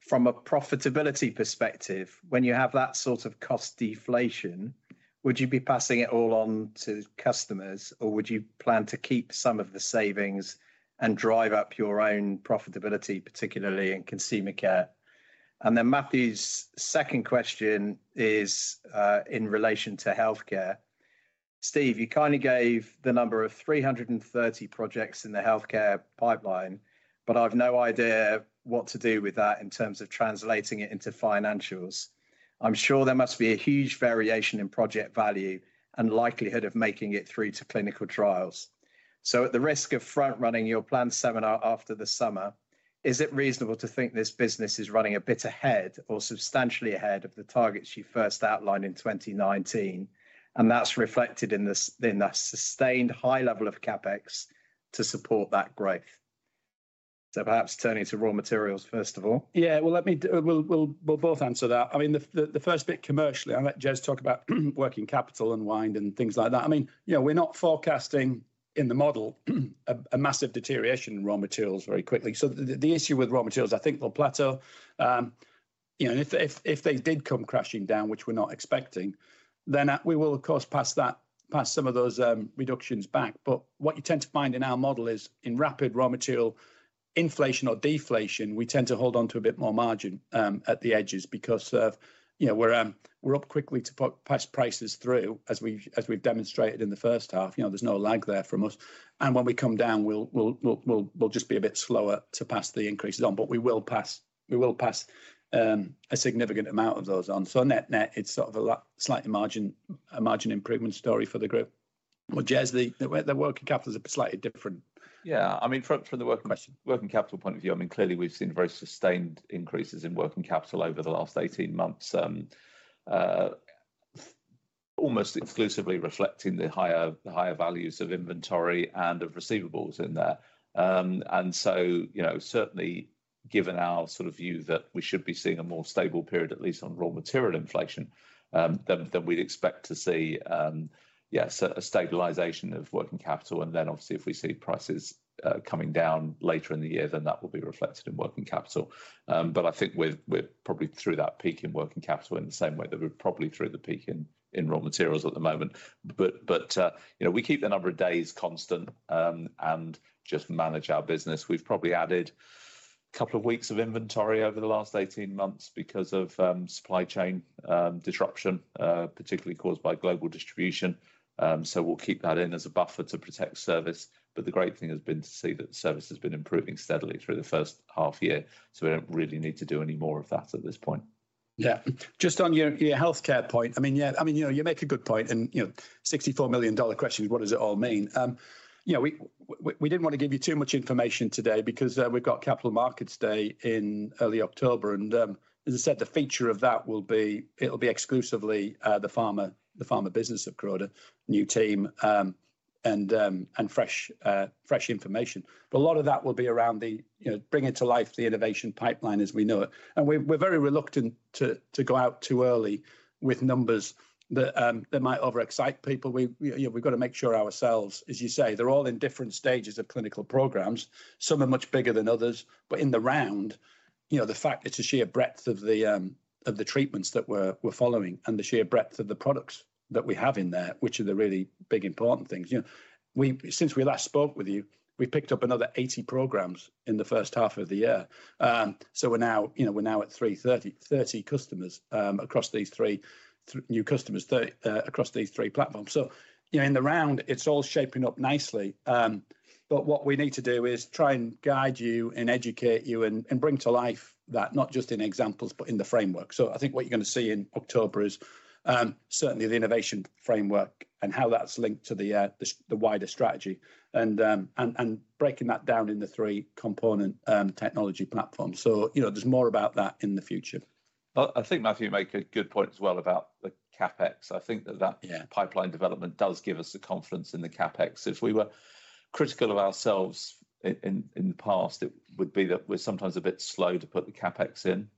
From a profitability perspective, when you have that sort of cost deflation, would you be passing it all on to customers, or would you plan to keep some of the savings and drive up your own profitability, particularly in Consumer Care? Matthew's second question is in relation to healthcare. Steve, you kindly gave the number of 330 projects in the healthcare pipeline, but I've no idea what to do with that in terms of translating it into financials. I'm sure there must be a huge variation in project value and likelihood of making it through to clinical trials. At the risk of front running your planned seminar after the summer, is it reasonable to think this business is running a bit ahead or substantially ahead of the targets you first outlined in 2019, and that's reflected in this, in the sustained high level of CapEx to support that growth? Perhaps turning to raw materials, first of all. Yeah. Well, let me. We'll both answer that. I mean, the first bit commercially, I'll let Jez talk about working capital unwind and things like that. I mean, you know, we're not forecasting in the model a massive deterioration in raw materials very quickly. So the issue with raw materials, I think they'll plateau. You know, and if they did come crashing down, which we're not expecting, then we will of course pass that, pass some of those reductions back. But what you tend to find in our model is in rapid raw material inflation or deflation, we tend to hold onto a bit more margin at the edges because of, you know, we're up quickly to pass prices through as we've demonstrated in the first half. You know, there's no lag there from us. When we come down, we'll just be a bit slower to pass the increases on. We will pass a significant amount of those on. Net-net, it's sort of a slight margin, a margin improvement story for the group. Well, Jez, the working capital's a slightly different. Yeah. I mean, from the working. From a working capital point of view, I mean, clearly we've seen very sustained increases in working capital over the last 18 months. Almost exclusively reflecting the higher values of inventory and of receivables in there. You know, certainly given our sort of view that we should be seeing a more stable period, at least on raw material inflation, then we'd expect to see, yeah, a stabilization of working capital. Then obviously if we see prices coming down later in the year, then that will be reflected in working capital. But I think we're probably through that peak in working capital in the same way that we're probably through the peak in raw materials at the moment. But you know, we keep the number of days constant and just manage our business. We've probably added couple of weeks of inventory over the last 18 months because of supply chain disruption, particularly caused by global disruptions. We'll keep that in as a buffer to protect service, but the great thing has been to see that service has been improving steadily through the first half year, so we don't really need to do any more of that at this point. Yeah. Just on your healthcare point. I mean, yeah, I mean, you know, you make a good point and, you know, $64 million question, what does it all mean? You know, we didn't want to give you too much information today because we've got Capital Markets Day in early October and, as I said, the feature of that will be it'll be exclusively the pharma business of Croda, new team, and fresh information. But a lot of that will be around, you know, bringing to life the innovation pipeline as we know it. We're very reluctant to go out too early with numbers that might overexcite people. You know, we've got to make sure ourselves, as you say, they're all in different stages of clinical programs. Some are much bigger than others, but in the round, you know, the fact it's the sheer breadth of the treatments that we're following and the sheer breadth of the products that we have in there, which are the really big, important things, you know. Since we last spoke with you, we've picked up another 80 programs in the first half of the year. We're now, you know, at 330 customers across these three platforms. You know, in the round it's all shaping up nicely. What we need to do is try and guide you and educate you and bring to life that not just in examples, but in the framework. I think what you're gonna see in October is certainly the innovation framework and how that's linked to the wider strategy and breaking that down into three component technology platforms. You know, there's more about that in the future. I think, Matthew, you make a good point as well about the CapEx. Yeah Pipeline development does give us the confidence in the CapEx. If we were critical of ourselves in the past, it would be that we're sometimes a bit slow to put the CapEx in.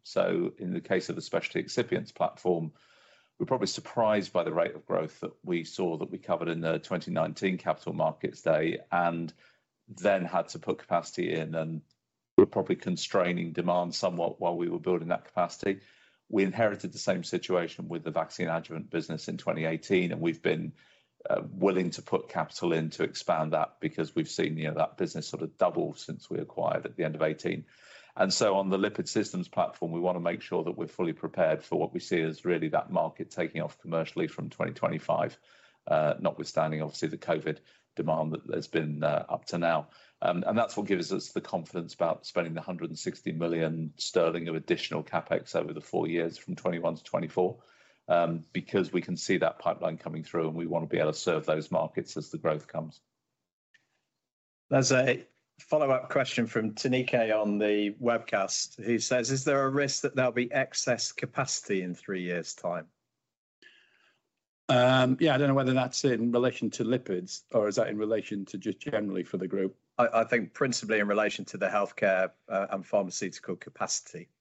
In the case of the specialty excipients platform, we're probably surprised by the rate of growth that we saw, that we covered in the 2019 capital markets day, and then had to put capacity in, and we were probably constraining demand somewhat while we were building that capacity. We inherited the same situation with the vaccine adjuvant business in 2018, and we've been willing to put capital in to expand that because we've seen, you know, that business sort of double since we acquired at the end of 2018. On the lipid systems platform, we wanna make sure that we're fully prepared for what we see as really that market taking off commercially from 2025. Notwithstanding obviously the COVID demand that there's been up to now. That's what gives us the confidence about spending the 160 million sterling of additional CapEx over the four years from 2021 to 2024, because we can see that pipeline coming through, and we wanna be able to serve those markets as the growth comes. There's a follow-up question from Chetan Udeshi on the webcast, who says, "Is there a risk that there'll be excess capacity in three years' time? Yeah, I don't know whether that's in relation to lipids or is that in relation to just generally for the group? I think principally in relation to the healthcare and pharmaceutical capacity. Yeah.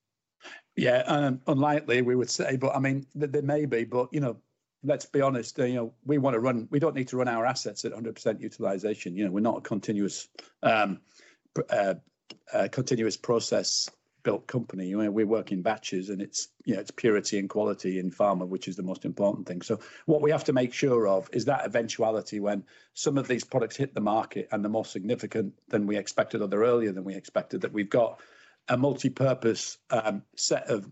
Unlikely we would say, but I mean, there may be, but, you know, let's be honest, you know, we don't need to run our assets at 100% utilization. You know, we're not a continuous process built company. You know, we work in batches and it's, you know, it's purity and quality in pharma which is the most important thing. So what we have to make sure of is that eventuality when some of these products hit the market and they're more significant than we expected or they're earlier than we expected, that we've got a multipurpose set of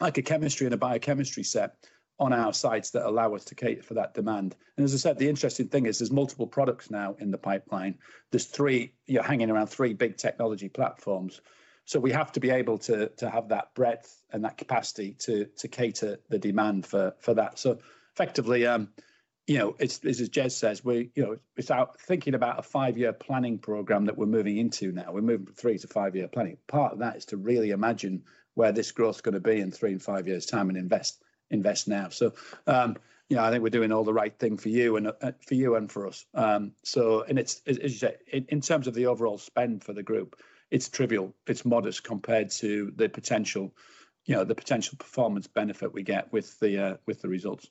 like a chemistry and a biochemistry set on our sites that allow us to cater for that demand. As I said, the interesting thing is there's multiple products now in the pipeline. There's three, you know, hanging around three big technology platforms. We have to be able to have that breadth and that capacity to cater the demand for that. Effectively, you know, it's as Jez says, we're, you know, it's our thinking about a 5-year planning program that we're moving into now. We're moving 3- to 5-year planning. Part of that is to really imagine where this growth's gonna be in three and five years' time and invest now. You know, I think we're doing all the right thing for you and for us. It's, as you say, in terms of the overall spend for the group, it's trivial, it's modest compared to the potential, you know, the potential performance benefit we get with the results.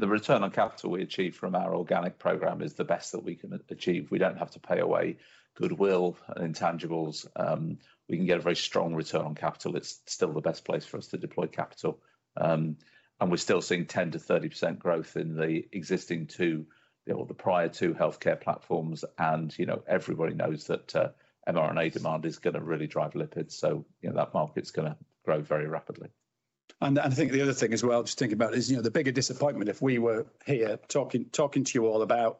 The return on capital we achieve from our organic program is the best that we can achieve. We don't have to pay away goodwill and intangibles. We can get a very strong return on capital. It's still the best place for us to deploy capital. We're still seeing 10%-30% growth in the existing two, you know, the prior two healthcare platforms. You know, everybody knows that mRNA demand is gonna really drive lipids. You know, that market's gonna grow very rapidly. I think the other thing as well, you know, the bigger disappointment if we were here talking to you all about,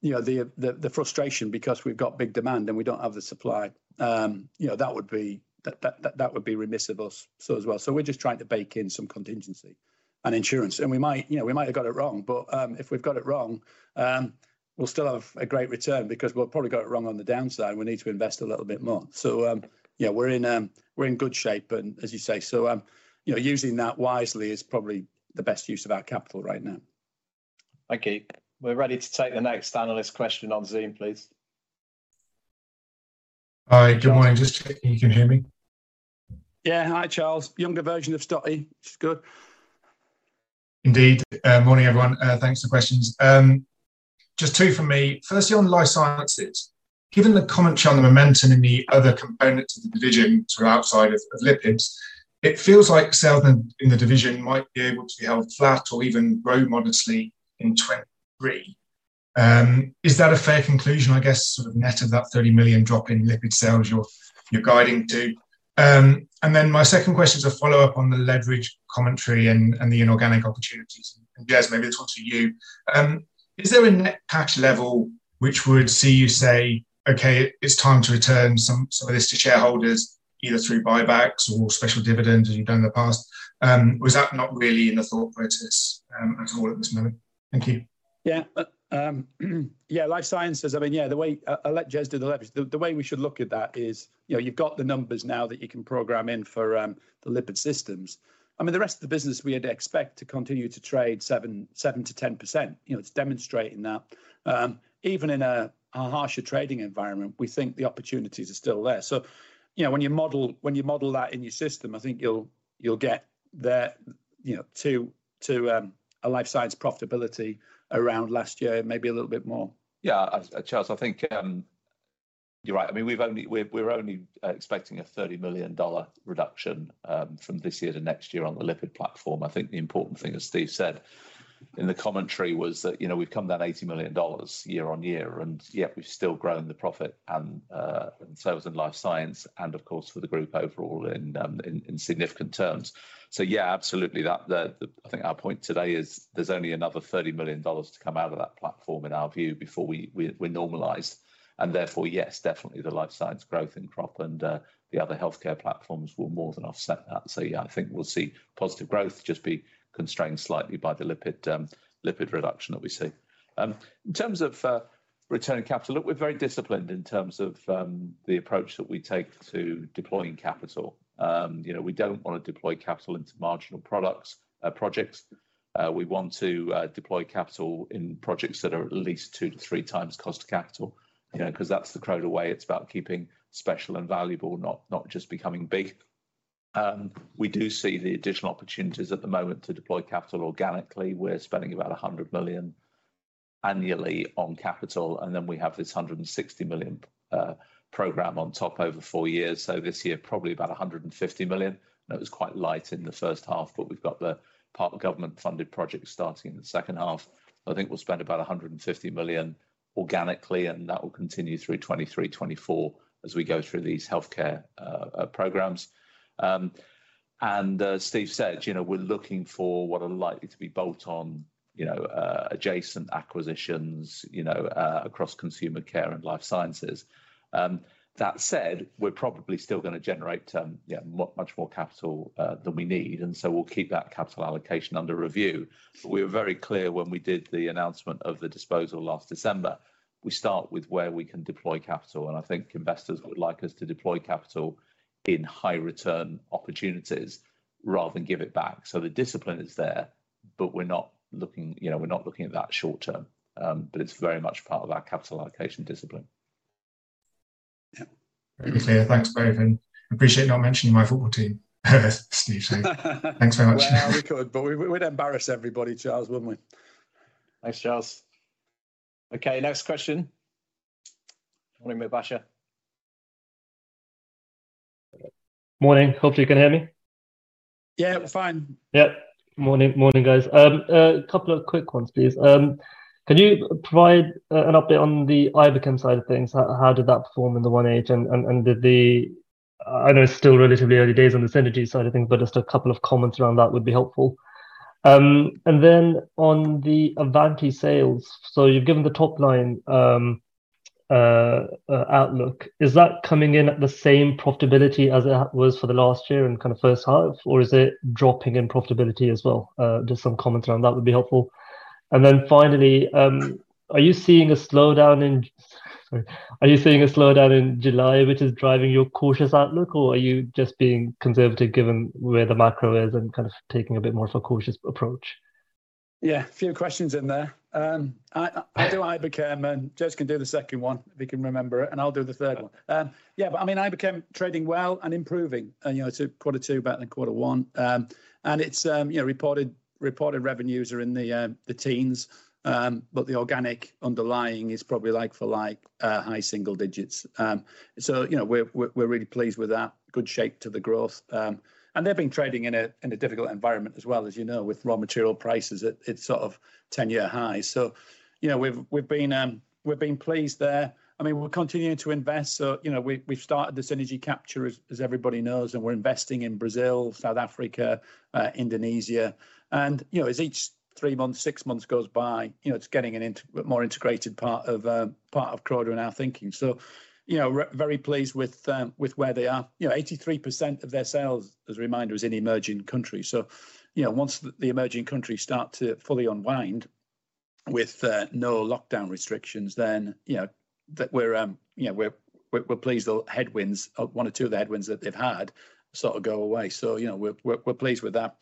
you know, the frustration because we've got big demand and we don't have the supply. You know, that would be remiss of us so as well. We're just trying to bake in some contingency and insurance. We might, you know, have got it wrong, but if we've got it wrong, we'll still have a great return because we'll probably got it wrong on the downside, and we need to invest a little bit more. Yeah, we're in good shape. As you say, you know, using that wisely is probably the best use of our capital right now. Thank you. We're ready to take the next analyst question on Zoom, please. Hi, good morning. Just checking you can hear me. Yeah. Hi, Charles. Younger version of Stotty, which is good. Indeed. Morning, everyone. Thanks for the questions. Just two from me. Firstly, on Life Sciences, given the commentary on the momentum in the other components of the division sort of outside of lipids, it feels like sales in the division might be able to be held flat or even grow modestly in 2023. Is that a fair conclusion, I guess, sort of net of that 30 million drop in lipid sales you're guiding to? My second question is a follow-up on the leverage commentary and the inorganic opportunities. Jez, maybe to talk to you. Is there a net cash level which would see you say, "Okay, it's time to return some of this to shareholders, either through buybacks or special dividends as you've done in the past"? Was that not really in the thought process, at all at this moment? Thank you. Yeah. Yeah, Life Sciences, I mean, yeah, the way, I'll let Jez do the leverage. The way we should look at that is, you know, you've got the numbers now that you can program in for the lipid systems. I mean, the rest of the business we'd expect to continue to trade 7%-10%. You know, it's demonstrating that even in a harsher trading environment, we think the opportunities are still there. You know, when you model that in your system, I think you'll get there, you know, to a Life Sciences profitability around last year, maybe a little bit more. Yeah. Charles, I think you're right. I mean, we're only expecting a $30 million reduction from this year to next year on the lipid platform. I think the important thing, as Steve said in the commentary, was that, you know, we've come down $80 million year-on-year, and yet we've still grown the profit and in sales and Life Sciences and of course, for the group overall in significant terms. Yeah, absolutely. I think our point today is there's only another $30 million to come out of that platform in our view before we normalize. Therefore, yes, definitely the Life Sciences growth in crop and the other healthcare platforms will more than offset that. Yeah, I think we'll see positive growth just be constrained slightly by the lipid reduction that we see. In terms of return on capital, look, we're very disciplined in terms of the approach that we take to deploying capital. You know, we don't wanna deploy capital into marginal products, projects. We want to deploy capital in projects that are at least 2-3 times cost of capital, you know, 'cause that's the Croda way. It's about keeping special and valuable, not just becoming big. We do see the additional opportunities at the moment to deploy capital organically. We're spending about 100 million annually on capital, and then we have this 160 million program on top over four years. This year, probably about 150 million. I know it was quite light in the first half, but we've got the partially government-funded project starting in the second half. I think we'll spend about 150 million organically, and that will continue through 2023, 2024 as we go through these healthcare programs. As Steve said, you know, we're looking for what are likely to be bolt-on, you know, adjacent acquisitions, you know, across Consumer Care and Life Sciences. That said, we're probably still gonna generate, yeah, much more capital than we need, and so we'll keep that capital allocation under review. We were very clear when we did the announcement of the disposal last December. We start with where we can deploy capital, and I think investors would like us to deploy capital in high-return opportunities rather than give it back. The discipline is there, but we're not looking, you know, at that short term. But it's very much part of our capital allocation discipline. Yeah. Very clear. Thanks, both. Appreciate you not mentioning my football team, Steve, so thanks very much. Well, we could, but we'd embarrass everybody, Charles, wouldn't we? Thanks, Charles. Okay. Next question. Morning, Mubasher. Morning. Hopefully you can hear me. Yeah, we're fine. Yeah. Morning. Morning, guys. Couple of quick ones, please. Can you provide an update on the Iberchem side of things? How did that perform in the H1? I know it's still relatively early days on the synergy side of things, but just a couple of comments around that would be helpful. Then on the Avanti sales, so you've given the top line outlook. Is that coming in at the same profitability as it was for the last year and kind of first half, or is it dropping in profitability as well? Just some comments around that would be helpful. Finally, are you seeing a slowdown in July, which is driving your cautious outlook? Are you just being conservative given where the macro is and kind of taking a bit more of a cautious approach? Yeah, a few questions in there. I'll do Iberchem and Jez can do the second one, if he can remember it, and I'll do the third one. Yeah, I mean, Iberchem trading well and improving. You know, it's quarter two better than quarter one. It's, you know, reported revenues are in the teens. The organic underlying is probably like for like, high single digits. You know, we're really pleased with that good shape to the growth. They've been trading in a difficult environment as well, as you know, with raw material prices at sort of 10-year highs. You know, we've been, we're pleased there. I mean, we're continuing to invest, so, you know, we've started the synergy capture as everybody knows, and we're investing in Brazil, South Africa, Indonesia. You know, as each three months, six months goes by, you know, it's getting more integrated part of part of Croda in our thinking. So, you know, very pleased with where they are. You know, 83% of their sales, as a reminder, is in emerging countries. So, you know, once the emerging countries start to fully unwind with no lockdown restrictions, then, you know, that we're pleased the headwinds, one or two of the headwinds that they've had sort of go away. So, you know, we're pleased with that.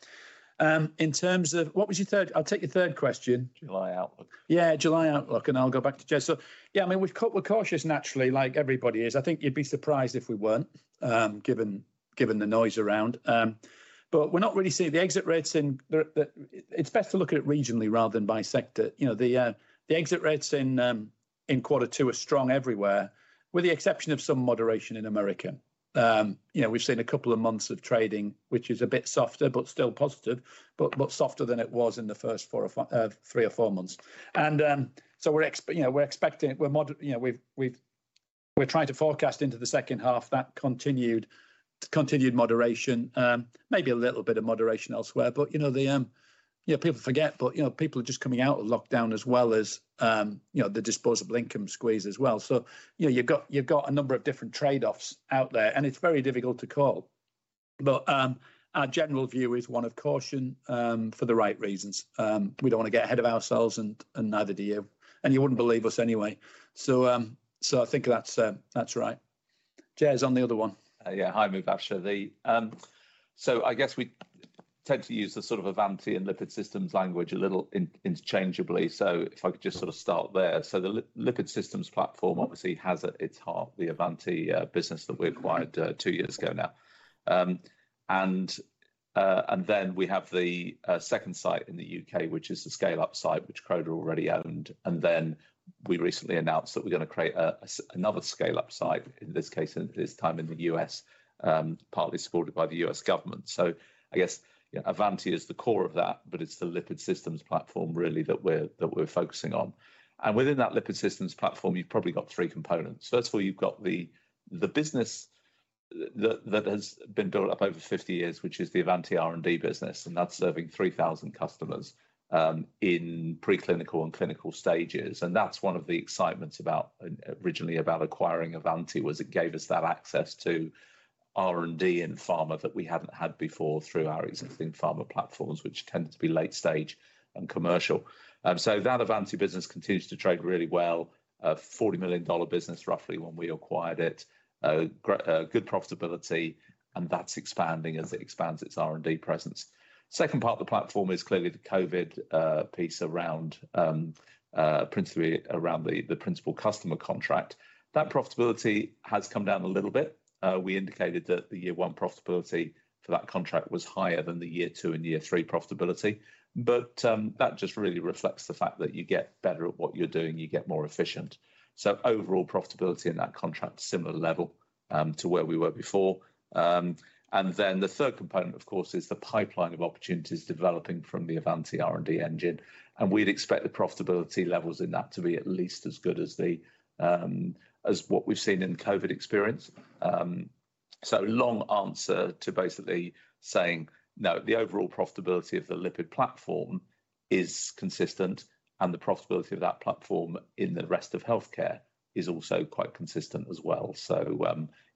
In terms of what was your third? I'll take your third question. July outlook. Yeah, July outlook, and I'll go back to Jez. Yeah, I mean, we're cautious naturally, like everybody is. I think you'd be surprised if we weren't, given the noise around. We're not really seeing the exit rates in the. It's best to look at it regionally rather than by sector. You know, the exit rates in quarter two are strong everywhere, with the exception of some moderation in America. You know, we've seen a couple of months of trading, which is a bit softer, but still positive, but softer than it was in the first three or four months. You know, we're trying to forecast into the second half that continued moderation. Maybe a little bit of moderation elsewhere. You know, people forget, but you know, people are just coming out of lockdown as well as you know, the disposable income squeeze as well. You know, you've got a number of different trade-offs out there, and it's very difficult to call. Our general view is one of caution, for the right reasons. We don't wanna get ahead of ourselves, and neither do you. You wouldn't believe us anyway. I think that's right. Jez, on the other one. Yeah. Hi, Mubasher. I guess we tend to use the sort of Avanti and Lipid Systems language a little interchangeably. If I could just sort of start there. The Lipid Systems platform obviously has at its heart the Avanti business that we acquired two years ago now. Then we have the second site in the U.K., which is the scale-up site which Croda already owned. We recently announced that we're gonna create another scale-up site, in this case, and this time in the U.S., partly supported by the U.S. government. I guess, you know, Avanti is the core of that, but it's the Lipid Systems platform really that we're focusing on. Within that Lipid Systems platform, you've probably got three components. First of all, you've got the business that has been built up over 50 years, which is the Avanti R&D business, and that's serving 3,000 customers in preclinical and clinical stages. That's one of the excitements about originally acquiring Avanti, was it gave us that access to R&D in pharma that we haven't had before through our existing pharma platforms, which tended to be late stage and commercial. That Avanti business continues to trade really well. A $40 million business roughly when we acquired it. Good profitability, and that's expanding as it expands its R&D presence. Second part of the platform is clearly the COVID piece around principally the principal customer contract. That profitability has come down a little bit. We indicated that the year one profitability for that contract was higher than the year two and year three profitability. That just really reflects the fact that you get better at what you're doing, you get more efficient. Overall profitability in that contract, similar level, to where we were before. Then the third component, of course, is the pipeline of opportunities developing from the Avanti R&D engine. We'd expect the profitability levels in that to be at least as good as the, as what we've seen in the COVID experience. Long answer to basically saying, no, the overall profitability of the Lipid platform is consistent, and the profitability of that platform in the rest of healthcare is also quite consistent as well.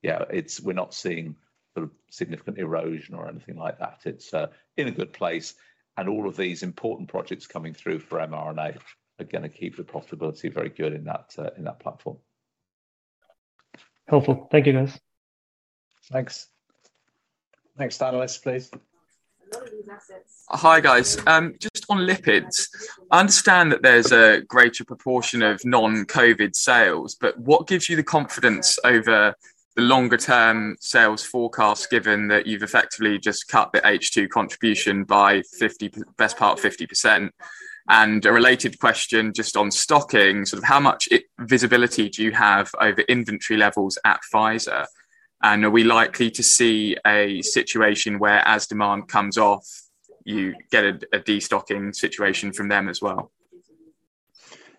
Yeah, it's. We're not seeing sort of significant erosion or anything like that. It's in a good place, and all of these important projects coming through for mRNA are gonna keep the profitability very good in that platform. Helpful. Thank you, guys. Thanks. Next analyst, please. Hi, guys. Just on lipids. I understand that there's a greater proportion of non-COVID sales, but what gives you the confidence over the longer-term sales forecast, given that you've effectively just cut the H2 contribution by 50, best part of 50%? And a related question just on stocking. Sort of how much visibility do you have over inventory levels at Pfizer? And are we likely to see a situation where as demand comes off, you get a destocking situation from them as well?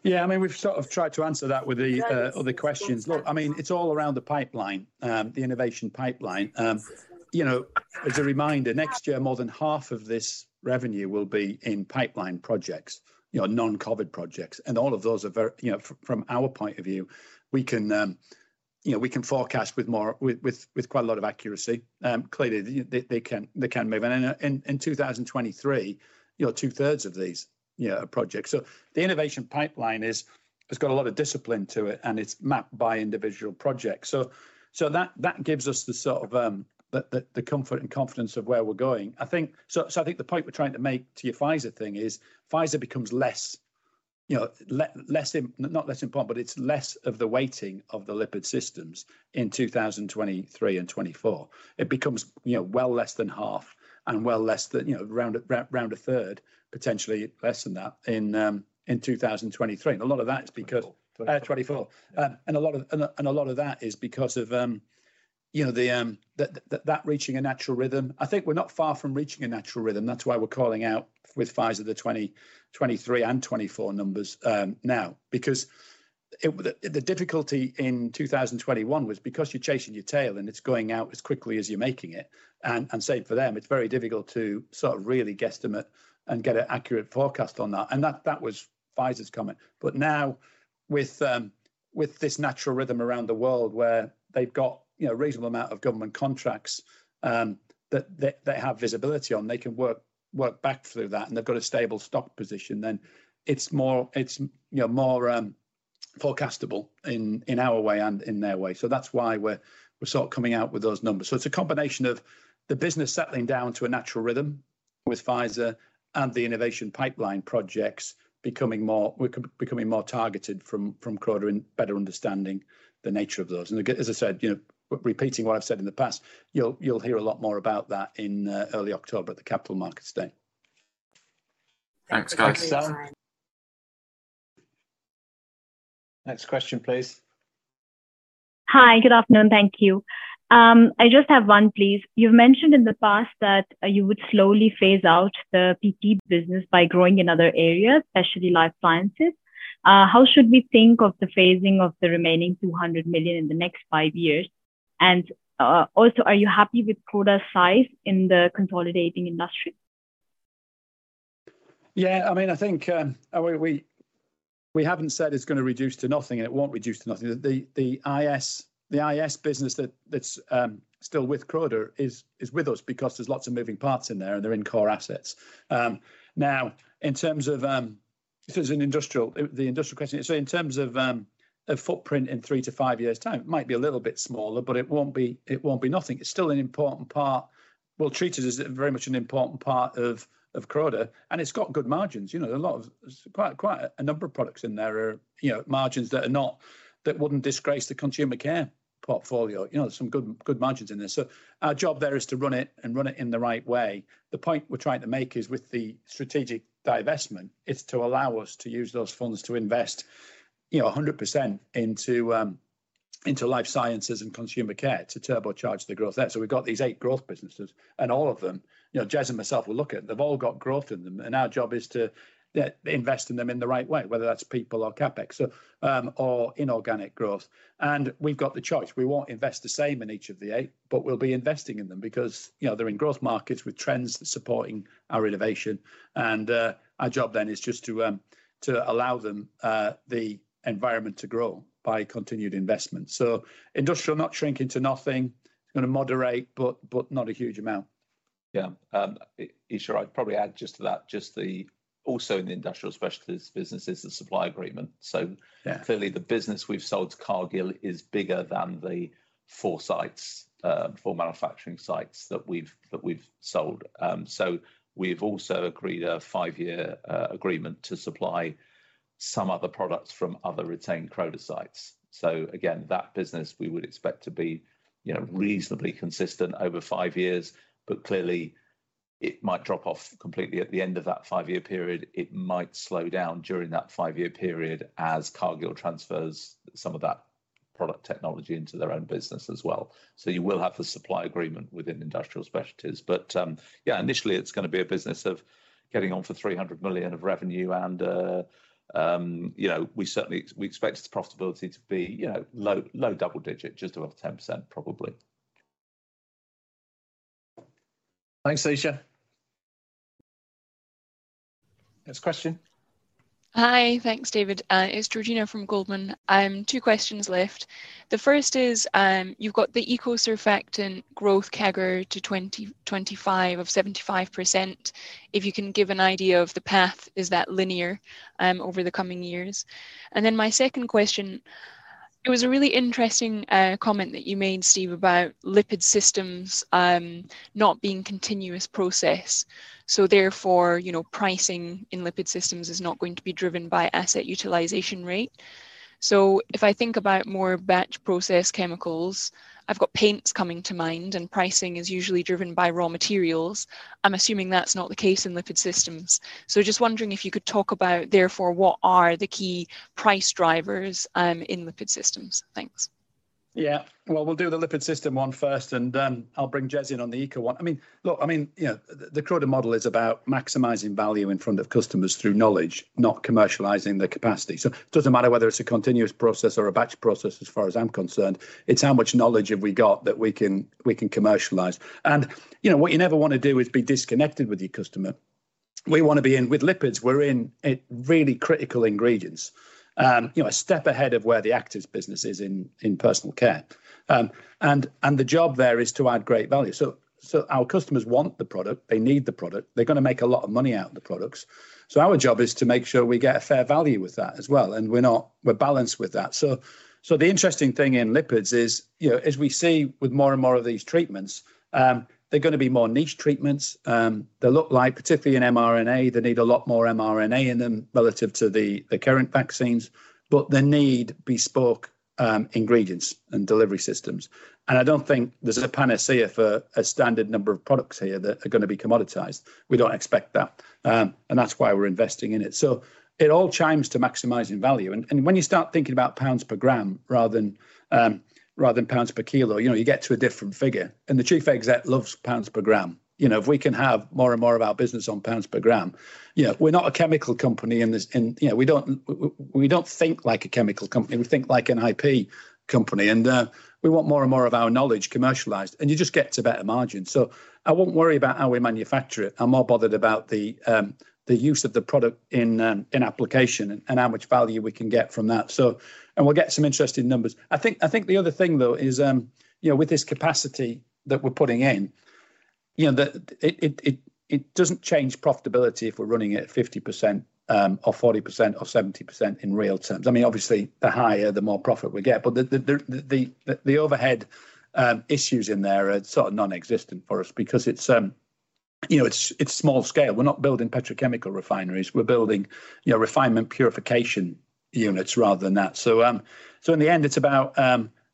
Yeah. I mean, we've sort of tried to answer that with the other questions. Look, I mean, it's all around the pipeline, the innovation pipeline. You know, as a reminder, next year more than half of this revenue will be in pipeline projects, you know, non-COVID projects. All of those are very, you know, from our point of view, we can forecast with more, with quite a lot of accuracy. Clearly they can move. In 2023, you know, two-thirds of these projects. The innovation pipeline has got a lot of discipline to it, and it's mapped by individual projects. That gives us the sort of the comfort and confidence of where we're going. I think the point we're trying to make to your Pfizer thing is, Pfizer becomes less. You know, not less important, but it's less of the weighting of the lipid systems in 2023 and 2024. It becomes, you know, well less than half and well less than, you know, around a third, potentially less than that in 2023. A lot of that is because- 2024. 2024. A lot of that is because of, you know, that reaching a natural rhythm. I think we're not far from reaching a natural rhythm. That's why we're calling out with Pfizer the 2023 and 2024 numbers now. Because the difficulty in 2021 was because you're chasing your tail and it's going out as quickly as you're making it, and same for them, it's very difficult to sort of really guesstimate and get an accurate forecast on that. That was Pfizer's comment. Now with this natural rhythm around the world where they've got, you know, a reasonable amount of government contracts, that they have visibility on, they can work back through that, and they've got a stable stock position, then it's more, you know, more forecastable in our way and in their way. That's why we're sort of coming out with those numbers. It's a combination of the business settling down to a natural rhythm with Pfizer and the innovation pipeline projects becoming more targeted from Croda and better understanding the nature of those. As I said, you know, repeating what I've said in the past, you'll hear a lot more about that in early October at the Capital Markets Day. Thanks, guys. Thanks, Sam. Next question, please. Hi. Good afternoon. Thank you. I just have one, please. You've mentioned in the past that you would slowly phase out the PTIC business by growing in other areas, especially Life Sciences. How should we think of the phasing of the remaining GBP 200 million in the next five years? Also, are you happy with Croda's size in the consolidating industry? I mean, I think we haven't said it's gonna reduce to nothing, and it won't reduce to nothing. The IS business that's still with Croda is with us because there's lots of moving parts in there, and they're core assets. Now, in terms of the industrial question. In terms of a footprint in three to five years' time, it might be a little bit smaller, but it won't be nothing. It's still an important part. We'll treat it as very much an important part of Croda, and it's got good margins. You know, there are quite a number of products in there with margins that wouldn't disgrace the Consumer Care portfolio. You know, there's some good margins in there. Our job there is to run it in the right way. The point we're trying to make is with the strategic divestment, it's to allow us to use those funds to invest, you know, 100% into Life Sciences and Consumer Care to turbocharge the growth there. We've got these eight growth businesses, and all of them, you know, Jez and myself will look at, they've all got growth in them, and our job is to, yeah, invest in them in the right way, whether that's people or CapEx. Or inorganic growth. We've got the choice. We won't invest the same in each of the eight, but we'll be investing in them because, you know, they're in growth markets with trends supporting our innovation. Our job then is just to allow them the environment to grow by continued investment. Industrial not shrinking to nothing. It's gonna moderate, but not a huge amount. Yeah. Isha, I'd probably add just to that, also in the Industrial Specialties business is the supply agreement. Yeah. Clearly the business we've sold to Cargill is bigger than the four sites, four manufacturing sites that we've sold. We've also agreed a 5-year agreement to supply some other products from other retained Croda sites. Again, that business we would expect to be, you know, reasonably consistent over five years. Clearly it might drop off completely at the end of that 5-year period. It might slow down during that 5-year period as Cargill transfers some of that product technology into their own business as well. You will have the supply agreement within Industrial Specialties. Yeah, initially it's gonna be a business of getting on for 300 million of revenue and, you know, we certainly expect its profitability to be, you know, low double digit, just above 10% probably. Thanks, Isha. Next question. Hi. Thanks, David. It's Georgina from Goldman Sachs. Two questions left. The first is, you've got the ECO surfactant growth CAGR to 2025 of 75%. If you can give an idea of the path, is that linear over the coming years? My second question, it was a really interesting comment that you made, Steve, about lipid systems not being continuous process. Therefore, you know, pricing in lipid systems is not going to be driven by asset utilization rate. If I think about more batch process chemicals, I've got paints coming to mind, and pricing is usually driven by raw materials. I'm assuming that's not the case in lipid systems. Just wondering if you could talk about therefore what are the key price drivers in lipid systems. Thanks. Yeah. Well, we'll do the lipid system one first, and then I'll bring Jez in on the eco one. I mean, look, you know, the Croda model is about maximizing value in front of customers through knowledge, not commercializing the capacity. It doesn't matter whether it's a continuous process or a batch process as far as I'm concerned. It's how much knowledge have we got that we can commercialize. You know, what you never wanna do is be disconnected with your customer. We wanna be in with lipids, we're in really critical ingredients, you know, a step ahead of where the Actives business is in personal care. And the job there is to add great value. So our customers want the product, they need the product. They're gonna make a lot of money out of the products. Our job is to make sure we get a fair value with that as well, and we're balanced with that. The interesting thing in lipids is, you know, as we see with more and more of these treatments, they're gonna be more niche treatments. They look like, particularly in mRNA, they need a lot more mRNA in them relative to the current vaccines, but they need bespoke ingredients and delivery systems. I don't think there's a panacea for a standard number of products here that are gonna be commoditized. We don't expect that, and that's why we're investing in it. It all chimes to maximizing value. And when you start thinking about pounds per gram rather than pounds per kilo, you know, you get to a different figure. The chief exec loves pounds per gram. You know, if we can have more and more of our business on pounds per gram. You know, we're not a chemical company. You know, we don't think like a chemical company. We think like an IP company, and we want more and more of our knowledge commercialized, and you just get to better margins. I wouldn't worry about how we manufacture it. I'm more bothered about the use of the product in application and how much value we can get from that. We'll get some interesting numbers. I think the other thing though is, you know, with this capacity that we're putting in, you know, it doesn't change profitability if we're running it at 50%, or 40% or 70% in real terms. I mean, obviously, the higher, the more profit we get. But the overhead issues in there are sort of nonexistent for us because it's, you know, it's small scale. We're not building petrochemical refineries. We're building, you know, refinement purification units rather than that. So in the end, it's about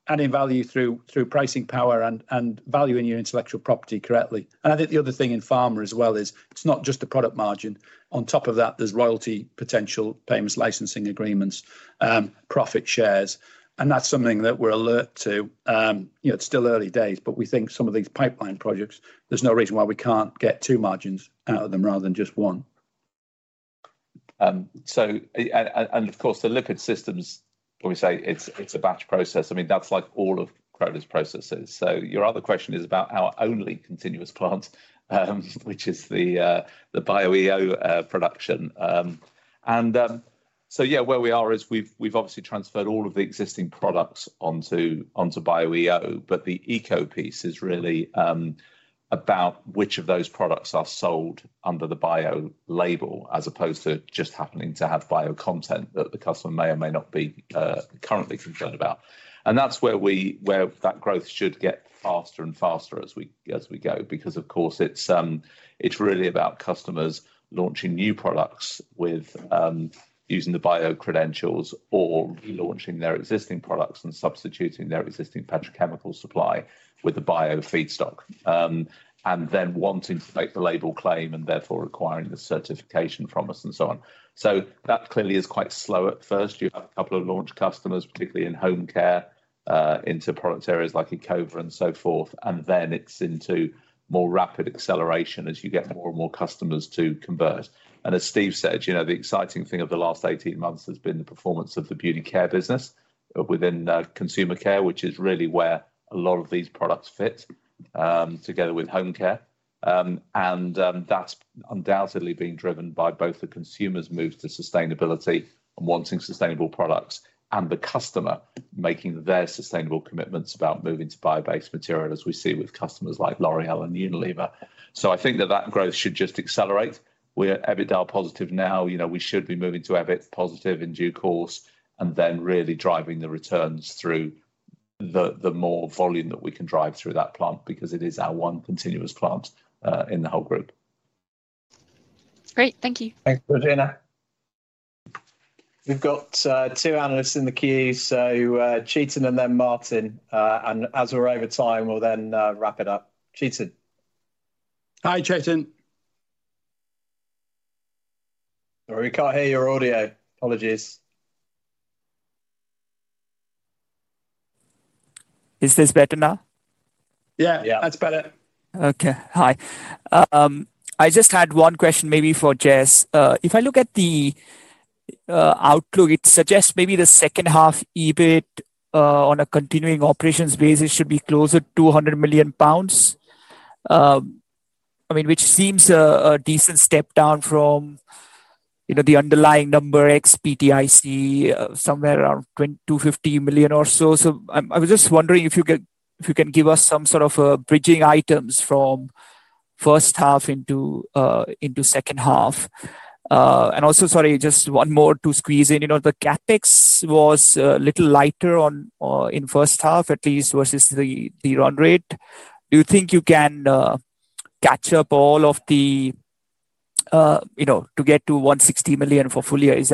adding value through pricing power and valuing your intellectual property correctly. I think the other thing in pharma as well is it's not just the product margin. On top of that, there's royalty potential payments, licensing agreements, profit shares, and that's something that we're alert to. You know, it's still early days, but we think some of these pipeline projects, there's no reason why we can't get two margins out of them rather than just one. Of course, the lipid systems, when we say it's a batch process, I mean, that's like all of Croda's processes. Your other question is about our only continuous plant, which is the Bio-EO production. Yeah, where we are is we've obviously transferred all of the existing products onto Bio-EO, but the eco piece is really about which of those products are sold under the bio label as opposed to just happening to have bio content that the customer may or may not be currently concerned about. That's where that growth should get faster and faster as we go. Because of course, it's really about customers launching new products with using the bio credentials or relaunching their existing products and substituting their existing petrochemical supply with the bio feedstock. Then wanting to make the label claim and therefore requiring the certification from us and so on. That clearly is quite slow at first. You have a couple of launch customers, particularly in Home Care, into product areas like Ecover and so forth, and then it's into more rapid acceleration as you get more and more customers to convert. As Steve said, you know, the exciting thing of the last 18 months has been the performance of the Beauty Care business within Consumer Care, which is really where a lot of these products fit, together with Home Care. That's undoubtedly being driven by both the consumer's move to sustainability and wanting sustainable products and the customer making their sustainable commitments about moving to bio-based material, as we see with customers like L'Oréal and Unilever. I think that growth should just accelerate. We're EBITDA positive now. You know, we should be moving to EBIT positive in due course and then really driving the returns through the more volume that we can drive through that plant because it is our one continuous plant in the whole group. Great. Thank you. Thanks, Georgina. We've got two analysts in the queue, so Chetan and then Martin. As we're over time, we'll then wrap it up. Chetan. Hi, Chetan. Sorry, we can't hear your audio. Apologies. Is this better now? Yeah. Yeah. That's better. Okay. Hi. I just had one question maybe for Jez. If I look at the outlook, it suggests maybe the second half EBIT on a continuing operations basis should be closer to 100 million pounds. I mean, which seems a decent step down from, you know, the underlying number ex PTIC somewhere around 250 million or so. I was just wondering if you can give us some sort of bridging items from first half into second half. Also, sorry, just one more to squeeze in. You know, the CapEx was a little lighter in first half at least versus the run rate. Do you think you can catch up all of the, you know, to get to 160 million for full year? Is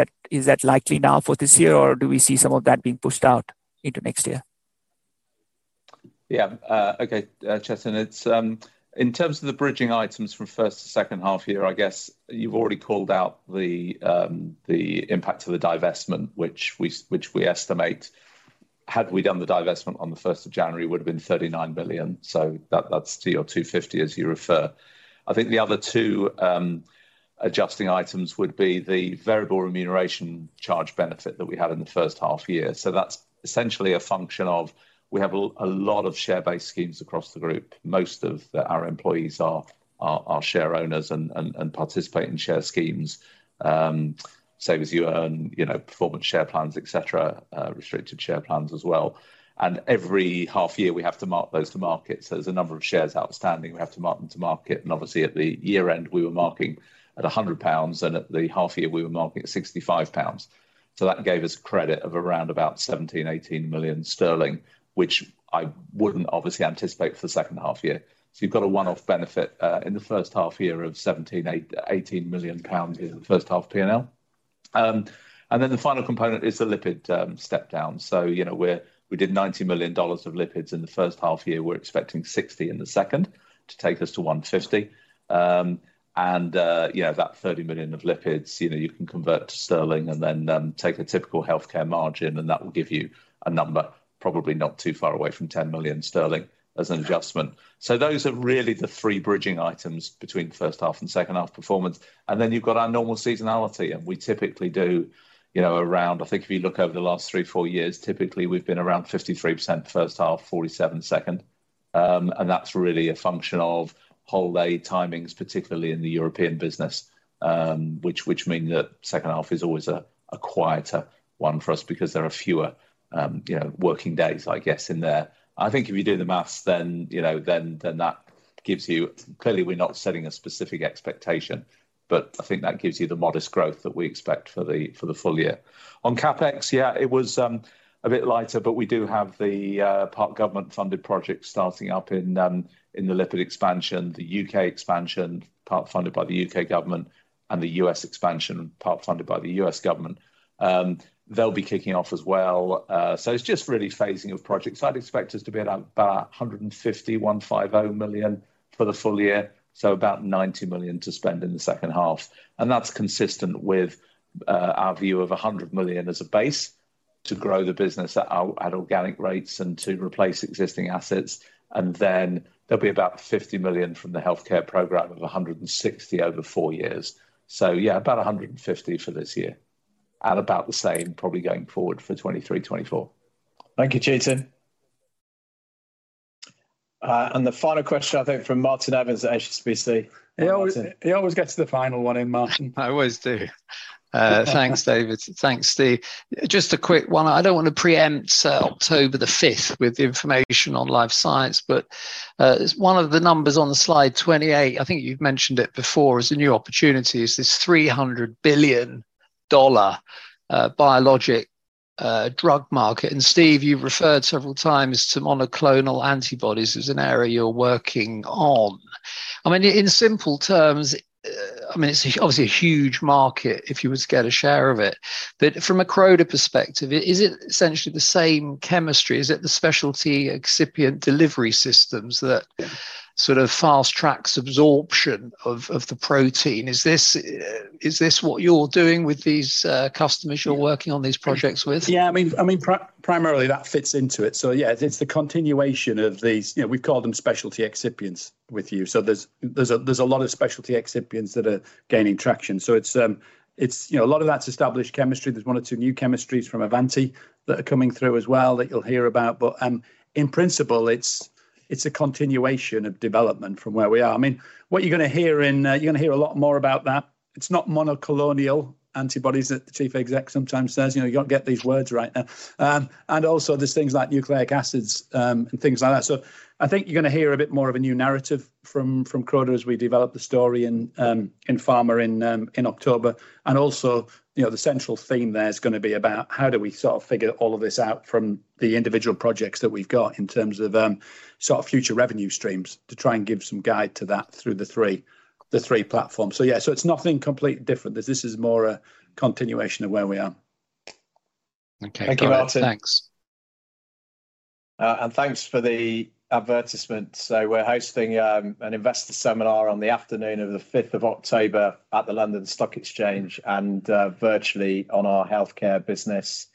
that likely now for this year, or do we see some of that being pushed out into next year? Chetan, it's in terms of the bridging items from first to second half year. I guess you've already called out the impact of the divestment, which we estimate had we done the divestment on the first of January would have been 39 billion. So that's two or 250 as you refer. I think the other two adjusting items would be the variable remuneration charge benefit that we had in the first half year. So that's essentially a function of we have a lot of share-based schemes across the group. Most of our employees are share owners and participate in share schemes. Save As You Earn, you know, performance share plans, et cetera, restricted share plans as well. Every half year, we have to mark those to market. There's a number of shares outstanding, we have to mark them to market. Obviously at the year-end, we were marking at 100 pounds, and at the half year we were marking at 65 pounds. That gave us credit of around about 17-18 million sterling, which I wouldn't obviously anticipate for the second half year. You've got a one-off benefit in the first half year of 17-18 million pounds in the first half P&L. Then the final component is the lipid step down. You know, we did $90 million of lipids in the first half year. We're expecting $60 million in the second to take us to $150 million. Yeah, that 30 million of lipids, you know, you can convert to sterling and then take a typical healthcare margin, and that will give you a number probably not too far away from 10 million sterling as an adjustment. Those are really the three bridging items between first half and second half performance. You've got our normal seasonality, and we typically do, you know, around. I think if you look over the last three, four years, typically, we've been around 53% first half, 47% second. That's really a function of holiday timings, particularly in the European business, which mean that second half is always a quieter one for us because there are fewer, you know, working days, I guess, in there. I think if you do the math then, you know, then that gives you. Clearly we're not setting a specific expectation, but I think that gives you the modest growth that we expect for the full year. On CapEx, yeah, it was a bit lighter, but we do have the part government funded project starting up in the lipid expansion, the U.K. expansion, part funded by the U.K. government and the U.S. expansion, part funded by the U.S. government. They'll be kicking off as well. It's just really phasing of projects. I'd expect us to be at 100 million-150 million for the full year, so about 90 million to spend in the second half. That's consistent with our view of 100 million as a base to grow the business at organic rates and to replace existing assets. There'll be about 50 million from the healthcare program of 160 over four years. Yeah, about 150 for this year, and about the same probably going forward for 2023, 2024. Thank you, Chetan. The final question I think from Martin Evans at HSBC. Hi, Martin. He always gets to the final one, Martin? I always do. Thanks, David. Thanks, Steve. Just a quick one. I don't wanna preempt October 5 with information on Life Sciences, but as one of the numbers on the slide 28, I think you've mentioned it before as a new opportunity, is this $300 billion biologics drug market. Steve, you've referred several times to monoclonal antibodies as an area you're working on. I mean, in simple terms, I mean, it's obviously a huge market if you was to get a share of it. From a Croda perspective, is it essentially the same chemistry? Is it the specialty excipients delivery systems that sort of fast tracks absorption of the protein? Is this what you're doing with these customers you're working on these projects with? Yeah. I mean, primarily that fits into it. It's the continuation of these, you know, we call them specialty excipients with you. There's a lot of specialty excipients that are gaining traction. It's, you know, a lot of that's established chemistry. There's one or two new chemistries from Avanti that are coming through as well that you'll hear about. In principle, it's a continuation of development from where we are. I mean, what you're gonna hear, you're gonna hear a lot more about that. It's not monoclonal antibodies that the chief exec sometimes says. You know, you got to get these words right now. Also there's things like nucleic acids, and things like that. I think you're gonna hear a bit more of a new narrative from Croda as we develop the story in pharma in October. Also, you know, the central theme there is gonna be about how do we sort of figure all of this out from the individual projects that we've got in terms of sort of future revenue streams to try and give some guide to that through the three platforms. Yeah, so it's nothing completely different. This is more a continuation of where we are. Okay. Thank you. Thank you, Martin. Thanks. Thanks for the advertisement. We're hosting an investor seminar on the afternoon of the 5th of October at the London Stock Exchange and virtually on our healthcare business.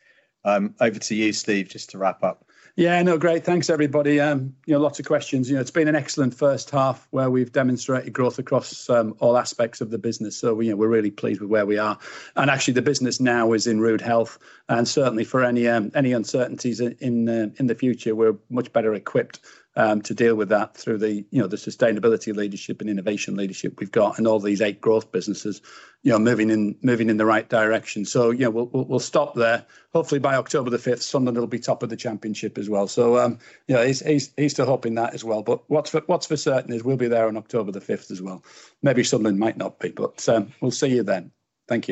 Over to you, Steve, just to wrap up. Yeah, no, great. Thanks, everybody. You know, lots of questions. You know, it's been an excellent first half where we've demonstrated growth across all aspects of the business. You know, we're really pleased with where we are. Actually, the business now is in rude health, and certainly for any any uncertainties in the future, we're much better equipped to deal with that through the you know, the sustainability leadership and innovation leadership we've got and all these eight growth businesses, you know, moving in the right direction. You know, we'll stop there. Hopefully by October the 5th, Sunderland will be top of the Championship as well. You know, he's still hoping that as well. What's for certain is we'll be there on October the 5th as well. Maybe Sunderland might not be, but, we'll see you then. Thank you.